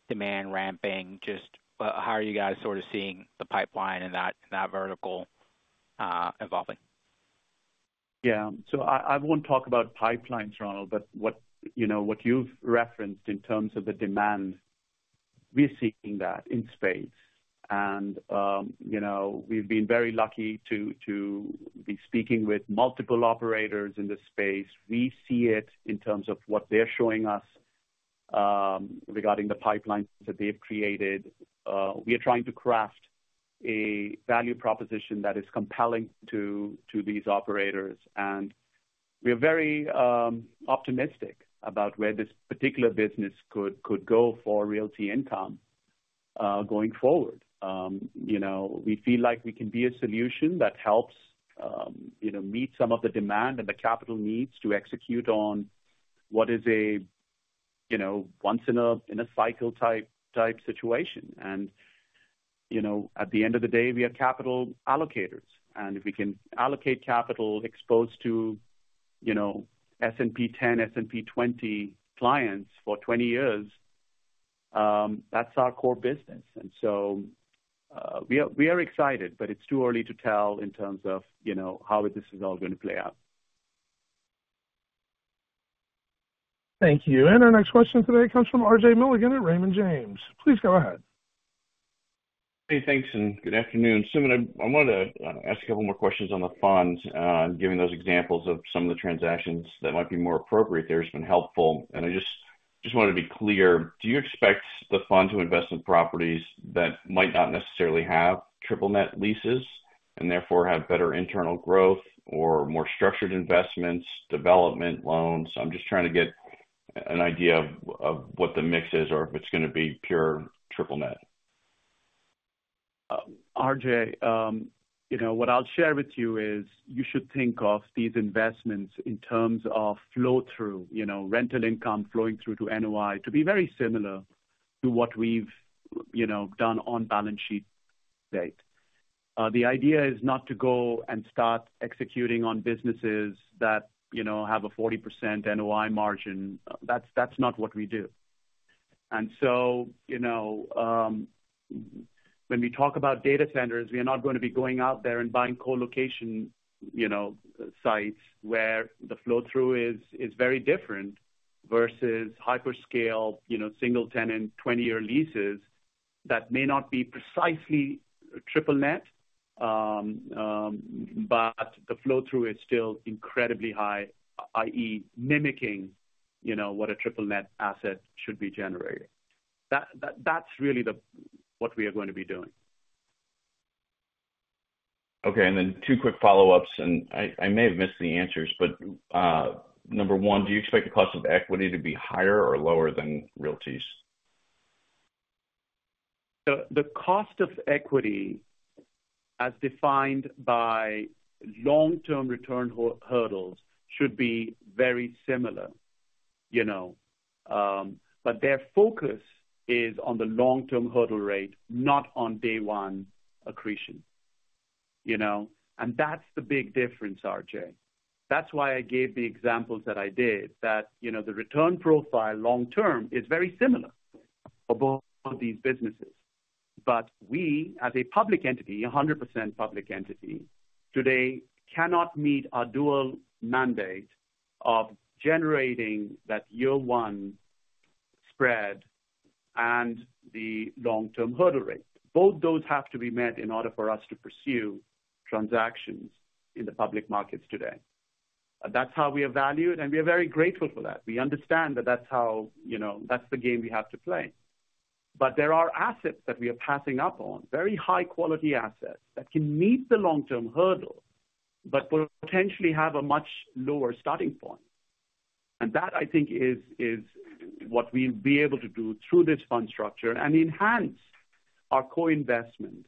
demand ramping. Just how are you guys sort of seeing the pipeline in that vertical evolving? Yeah. So I won't talk about pipelines, Ronald, but what you've referenced in terms of the demand, we're seeing that in spades. And we've been very lucky to be speaking with multiple operators in this space. We see it in terms of what they're showing us regarding the pipelines that they've created. We are trying to craft a value proposition that is compelling to these operators. And we are very optimistic about where this particular business could go for Realty Income going forward. We feel like we can be a solution that helps meet some of the demand and the capital needs to execute on what is a once-in-a-cycle type situation. And at the end of the day, we are capital allocators. And if we can allocate capital exposed to S&P 10, S&P 20 clients for 20 years, that's our core business. We are excited, but it's too early to tell in terms of how this is all going to play out. Thank you. And our next question today comes from RJ Milligan at Raymond James. Please go ahead. Hey, thanks. And good afternoon. Sumit, I wanted to ask a couple more questions on the fund, and giving those examples of some of the transactions that might be more appropriate there has been helpful. And I just wanted to be clear. Do you expect the fund to invest in properties that might not necessarily have triple-net leases and therefore have better internal growth or more structured investments, development loans? I'm just trying to get an idea of what the mix is or if it's going to be pure triple-net. RJ, what I'll share with you is you should think of these investments in terms of flow-through, rental income flowing through to NOI to be very similar to what we've done on balance sheet date. The idea is not to go and start executing on businesses that have a 40% NOI margin. That's not what we do, and so when we talk about data centers, we are not going to be going out there and buying colocation sites where the flow-through is very different versus hyperscale single-tenant 20-year leases that may not be precisely triple-net, but the flow-through is still incredibly high, i.e., mimicking what a triple-net asset should be generating. That's really what we are going to be doing. Okay. And then 2 quick follow-ups. And I may have missed the answers, but number one, do you expect the cost of equity to be higher or lower than Realty's? The cost of equity, as defined by long-term return hurdles, should be very similar. But their focus is on the long-term hurdle rate, not on day-one accretion. And that's the big difference, RJ. That's why I gave the examples that I did, that the return profile long-term is very similar above these businesses. But we, as a public entity, 100% public entity, today cannot meet our dual mandate of generating that year-one spread and the long-term hurdle rate. Both those have to be met in order for us to pursue transactions in the public markets today. That's how we are valued, and we are very grateful for that. We understand that that's the game we have to play. But there are assets that we are passing up on, very high-quality assets that can meet the long-term hurdle but potentially have a much lower starting point. That, I think, is what we'll be able to do through this fund structure and enhance our co-investment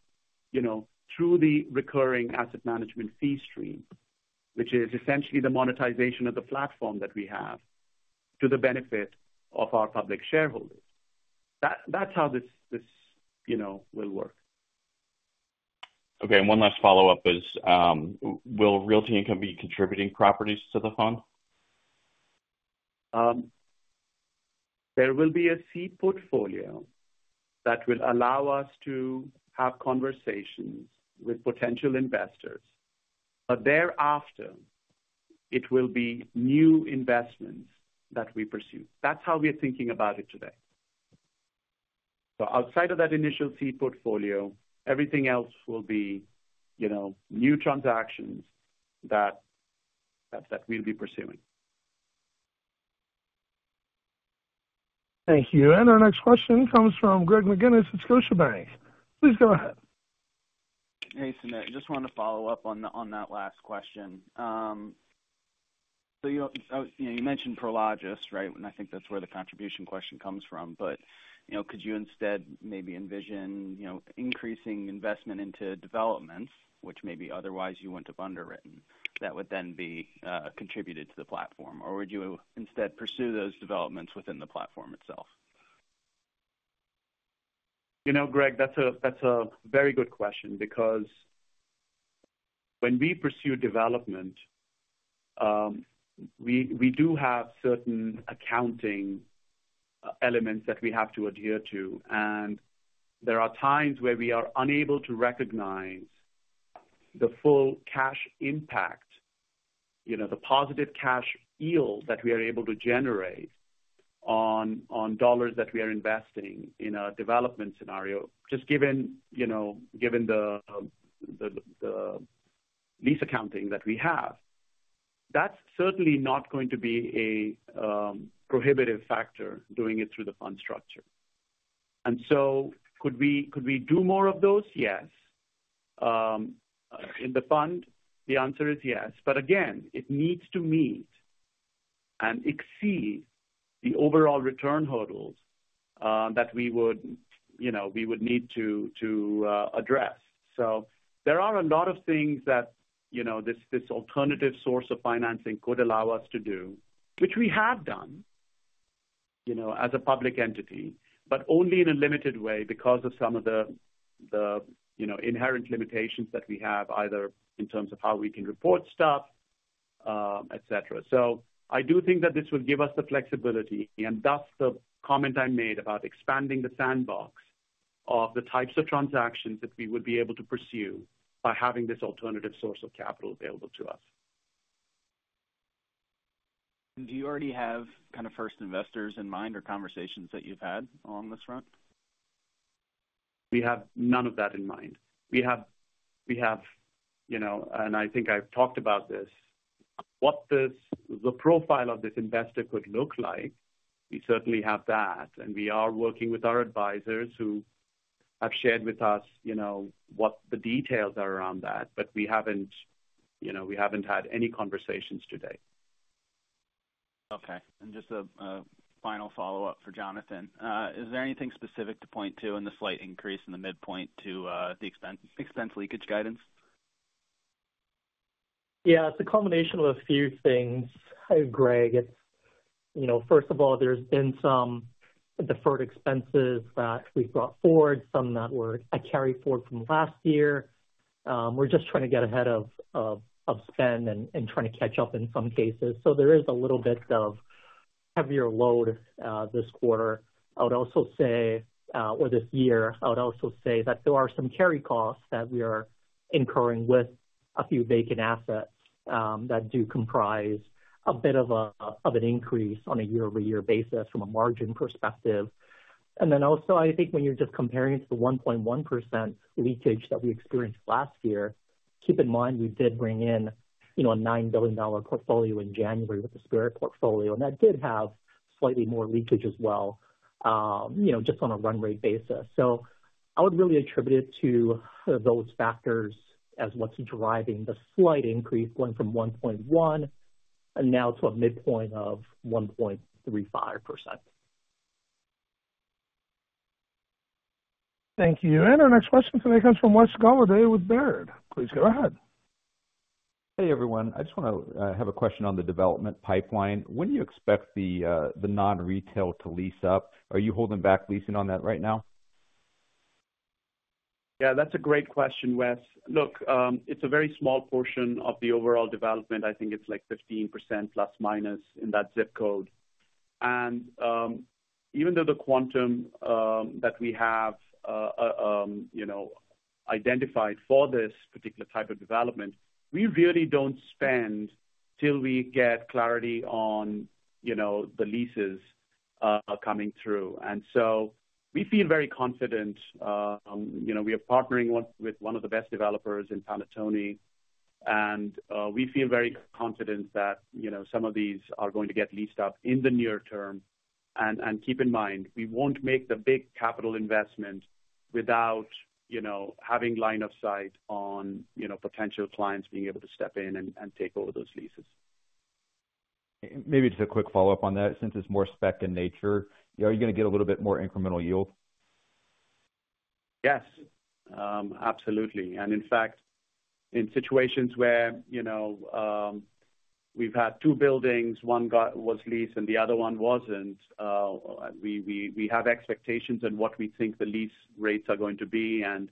through the recurring asset management fee stream, which is essentially the monetization of the platform that we have to the benefit of our public shareholders. That's how this will work. Okay. And one last follow-up is, will Realty Income be contributing properties to the fund? There will be a seed portfolio that will allow us to have conversations with potential investors. But thereafter, it will be new investments that we pursue. That's how we are thinking about it today. So outside of that initial seed portfolio, everything else will be new transactions that we'll be pursuing. Thank you. And our next question comes from Greg McGinniss at Scotiabank. Please go ahead. Hey, Sumit. Just wanted to follow up on that last question. So you mentioned Prologis, right? And I think that's where the contribution question comes from. But could you instead maybe envision increasing investment into developments, which maybe otherwise you wouldn't have underwritten that would then be contributed to the platform? Or would you instead pursue those developments within the platform itself? Greg, that's a very good question because when we pursue development, we do have certain accounting elements that we have to adhere to, and there are times where we are unable to recognize the full cash impact, the positive cash yield that we are able to generate on dollars that we are investing in a development scenario, just given the lease accounting that we have. That's certainly not going to be a prohibitive factor doing it through the fund structure, and so could we do more of those? Yes. In the fund, the answer is yes. But again, it needs to meet and exceed the overall return hurdles that we would need to address. So there are a lot of things that this alternative source of financing could allow us to do, which we have done as a public entity, but only in a limited way because of some of the inherent limitations that we have, either in terms of how we can report stuff, etc. So I do think that this will give us the flexibility. And thus, the comment I made about expanding the sandbox of the types of transactions that we would be able to pursue by having this alternative source of capital available to us. Do you already have kind of first investors in mind or conversations that you've had along this front? We have none of that in mind. We have, and I think I've talked about this, what the profile of this investor could look like. We certainly have that. And we are working with our advisors who have shared with us what the details are around that. But we haven't had any conversations today. Okay. And just a final follow-up for Jonathan. Is there anything specific to point to in the slight increase in the midpoint to the expense leakage guidance? Yeah. It's a combination of a few things. Hey, Greg. First of all, there's been some deferred expenses that we've brought forward, some that were carried forward from last year. We're just trying to get ahead of spend and trying to catch up in some cases. So there is a little bit of heavier load this quarter. I would also say, or this year, I would also say that there are some carry costs that we are incurring with a few vacant assets that do comprise a bit of an increase on a year-over-year basis from a margin perspective. And then also, I think when you're just comparing it to the 1.1% leakage that we experienced last year, keep in mind we did bring in a $9 billion portfolio in January with the Spirit portfolio. And that did have slightly more leakage as well just on a run rate basis. I would really attribute it to those factors as what's driving the slight increase going from 1.1% and now to a midpoint of 1.35%. Thank you. And our next question today comes from Wes Golladay with Baird. Please go ahead. Hey, everyone. I just want to have a question on the development pipeline. When do you expect the non-retail to lease up? Are you holding back leasing on that right now? Yeah. That's a great question, Wes. Look, it's a very small portion of the overall development. I think it's like 15% plus minus in that zip code. And even though the quantum that we have identified for this particular type of development, we really don't spend till we get clarity on the leases coming through. And so we feel very confident. We are partnering with one of the best developers in Panattoni. And we feel very confident that some of these are going to get leased up in the near term. And keep in mind, we won't make the big capital investment without having line of sight on potential clients being able to step in and take over those leases. Maybe just a quick follow-up on that. Since it's more spec in nature, are you going to get a little bit more incremental yield? Yes. Absolutely. And in fact, in situations where we've had 2 buildings, one was leased and the other one wasn't, we have expectations on what we think the lease rates are going to be. And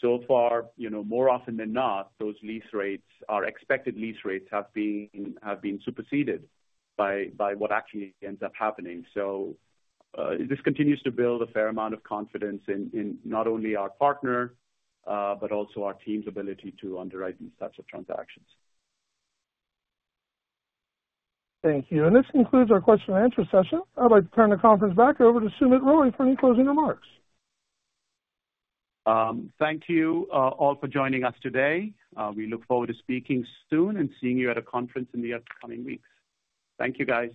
so far, more often than not, those expected lease rates have been superseded by what actually ends up happening. So this continues to build a fair amount of confidence in not only our partner, but also our team's ability to underwrite these types of transactions. Thank you. And this concludes our question and answer session. I'd like to turn the conference back over to Sumit Roy for any closing remarks. Thank you all for joining us today. We look forward to speaking soon and seeing you at a conference in the upcoming weeks. Thank you, guys.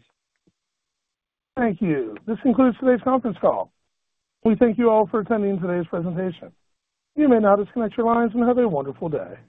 Thank you. This concludes today's conference call. We thank you all for attending today's presentation. You may now disconnect your lines and have a wonderful day.